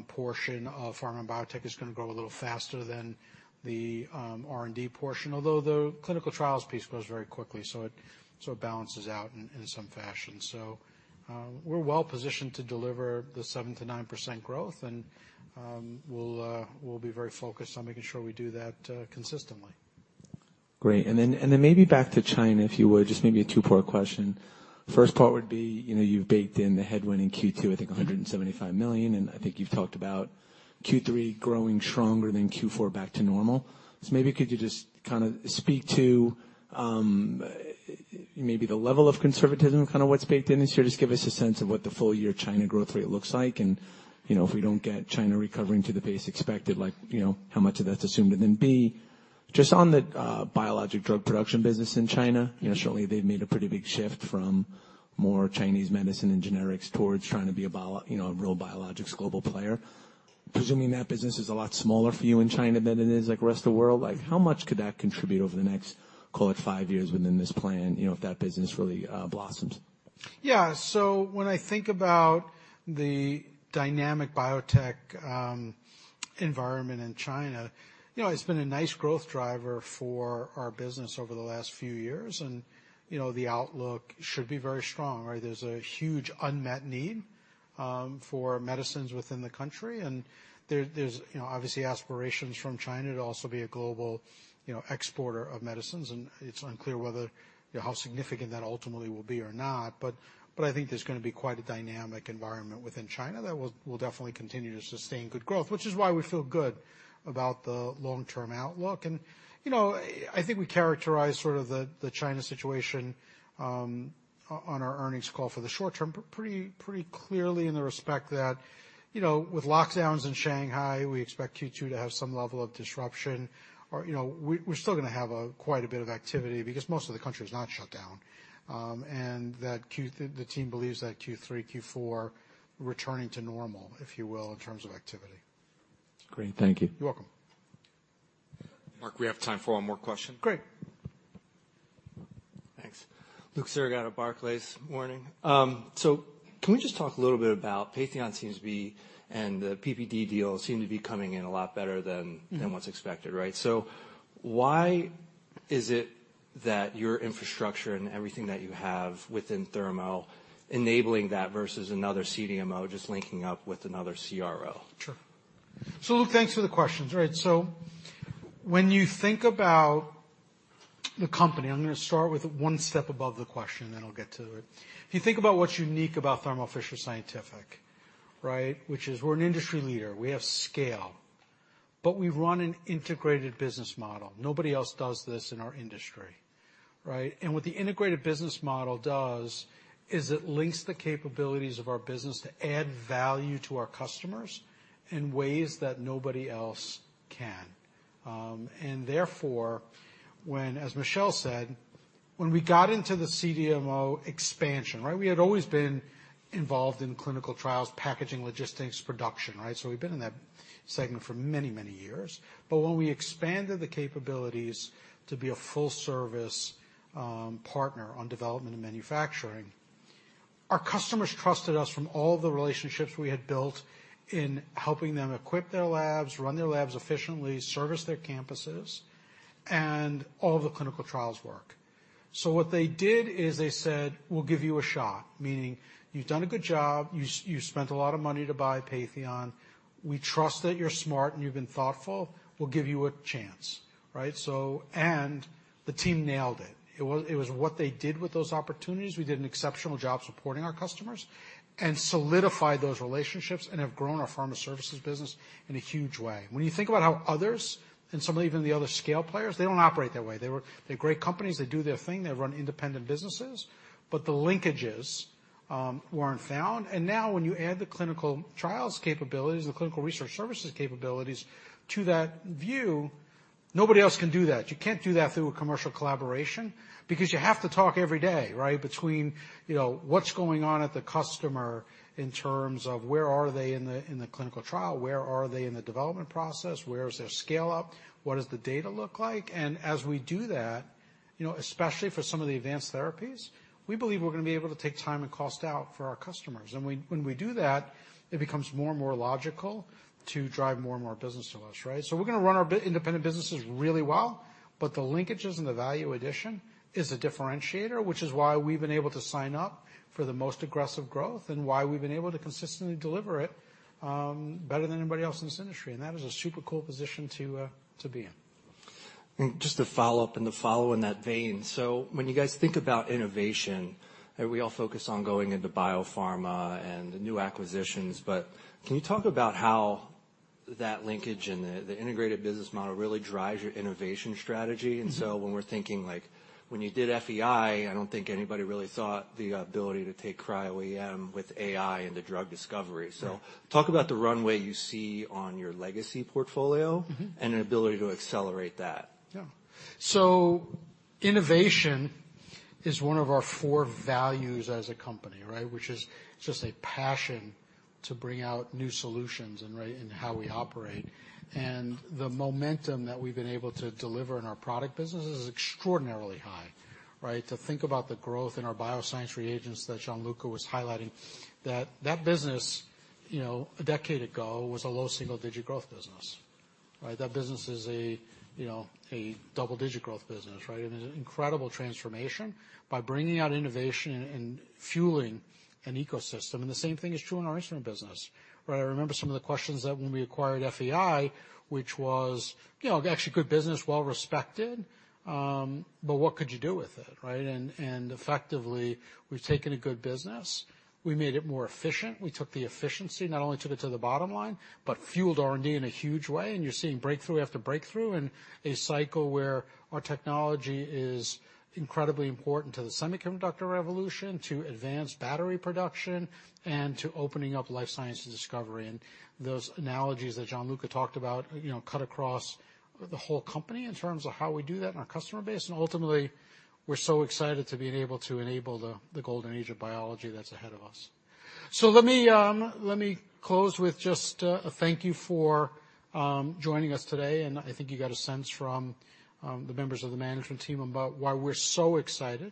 portion of pharma and biotech is gonna grow a little faster than the R&D portion. Although the clinical trials piece grows very quickly, so it balances out in some fashion. We're well-positioned to deliver the 7%-9% growth, and we'll be very focused on making sure we do that consistently. Great. Then maybe back to China, if you would. Just maybe a two-part question. First part would be, you know, you've baked in the headwind in Q2, I think $175 million, and I think you've talked about Q3 growing stronger than Q4 back to normal. Maybe could you just kinda speak to, maybe the level of conservatism, kinda what's baked in this year, just give us a sense of what the full year China growth rate looks like and, you know, if we don't get China recovering to the pace expected, like, you know, how much of that's assumed. Then B, just on the biologic drug production business in China, you know, surely they've made a pretty big shift from more Chinese medicine and generics towards trying to be a real biologics global player. Presuming that business is a lot smaller for you in China than it is like the rest of the world, like how much could that contribute over the next, call it five years within this plan, you know, if that business really blossoms? Yeah. When I think about the dynamic biotech environment in China, you know, it's been a nice growth driver for our business over the last few years and, you know, the outlook should be very strong. Right? There's a huge unmet need for medicines within the country, and there's, you know, obviously aspirations from China to also be a global, you know, exporter of medicines, and it's unclear whether, you know, how significant that ultimately will be or not. But I think there's gonna be quite a dynamic environment within China that will definitely continue to sustain good growth, which is why we feel good about the long-term outlook. I think we characterize sort of the China situation on our earnings call for the short-term pretty clearly in the respect that, you know, with lockdowns in Shanghai, we expect Q2 to have some level of disruption, you know, we're still gonna have quite a bit of activity because most of the country is not shut down. The team believes that Q3, Q4 returning to normal, if you will, in terms of activity. Great. Thank you. You're welcome. Marc, we have time for one more question. Great. Thanks. Luke Sergott at Barclays. Morning. Can we just talk a little bit about Patheon seems to be, and the PPD deal seem to be coming in a lot better than- Mm-hmm. Less than was expected, right? Why is it that your infrastructure and everything that you have within Thermo enabling that versus another CDMO just linking up with another CRO? Sure. Luke, thanks for the questions, right? When you think about the company, I'm gonna start with one step above the question, then I'll get to it. If you think about what's unique about Thermo Fisher Scientific, right, which is we're an industry leader, we have scale, but we run an integrated business model. Nobody else does this in our industry, right? What the integrated business model does is it links the capabilities of our business to add value to our customers in ways that nobody else can. Therefore, as Michelle said, when we got into the CDMO expansion, right, we had always been involved in clinical trials, packaging, logistics, production, right? We've been in that segment for many, many years. When we expanded the capabilities to be a full service partner on development and manufacturing, our customers trusted us from all the relationships we had built in helping them equip their labs, run their labs efficiently, service their campuses, and all the clinical trials work. What they did is they said, "We'll give you a shot," meaning you've done a good job, you spent a lot of money to buy Patheon. We trust that you're smart and you've been thoughtful. We'll give you a chance, right? The team nailed it. It was what they did with those opportunities. We did an exceptional job supporting our customers and solidified those relationships and have grown our pharma services business in a huge way. When you think about how others and some even the other scale players, they don't operate that way. They're great companies. They do their thing. They run independent businesses, but the linkages weren't found. Now when you add the clinical trials capabilities, the clinical research services capabilities to that view, nobody else can do that. You can't do that through a commercial collaboration because you have to talk every day, right? Between, you know, what's going on at the customer in terms of where are they in the clinical trial, where are they in the development process, where is their scale-up, what does the data look like? As we do that, you know, especially for some of the advanced therapies, we believe we're gonna be able to take time and cost out for our customers. When we do that, it becomes more and more logical to drive more and more business to us, right? We're gonna run our independent businesses really well, but the linkages and the value addition is a differentiator, which is why we've been able to sign up for the most aggressive growth and why we've been able to consistently deliver it, better than anybody else in this industry. That is a super cool position to be in. Just to follow up and to follow in that vein. When you guys think about innovation, we all focus on going into biopharma and the new acquisitions, but can you talk about how that linkage and the integrated business model really drives your innovation strategy? Mm-hmm. When we're thinking, like when you did FEI, I don't think anybody really thought the ability to take Cryo-EM with AI into drug discovery. Yeah. Talk about the runway you see on your legacy portfolio. Mm-hmm. An ability to accelerate that. Yeah. Innovation is one of our four values as a company, right? Which is just a passion to bring out new solutions and, right, in how we operate. The momentum that we've been able to deliver in our product business is extraordinarily high, right? To think about the growth in our bioscience reagents that Gianluca was highlighting, that business, you know, a decade ago was a low single-digit growth business, right? That business is, you know, a double-digit growth business, right? An incredible transformation by bringing out innovation and fueling an ecosystem. The same thing is true in our instrument business, right? I remember some of the questions that when we acquired FEI, which was, you know, actually good business, well respected, but what could you do with it, right? And effectively, we've taken a good business. We made it more efficient. We took the efficiency, not only took it to the bottom line, but fueled R&D in a huge way. You're seeing breakthrough after breakthrough in a cycle where our technology is incredibly important to the semiconductor revolution, to advanced battery production, and to opening up life sciences discovery. Those analogies that Gianluca talked about, you know, cut across the whole company in terms of how we do that and our customer base. Ultimately, we're so excited to being able to enable the golden age of biology that's ahead of us. Let me close with just a thank you for joining us today. I think you got a sense from the members of the management team about why we're so excited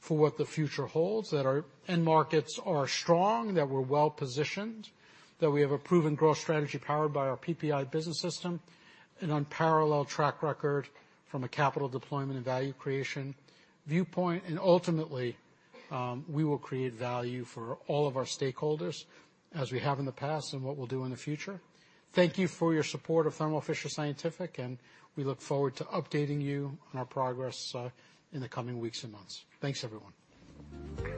for what the future holds, that our end markets are strong, that we're well-positioned, that we have a proven growth strategy powered by our PPI business system, an unparalleled track record from a capital deployment and value creation viewpoint. Ultimately, we will create value for all of our stakeholders, as we have in the past and what we'll do in the future. Thank you for your support of Thermo Fisher Scientific, and we look forward to updating you on our progress in the coming weeks and months. Thanks, everyone.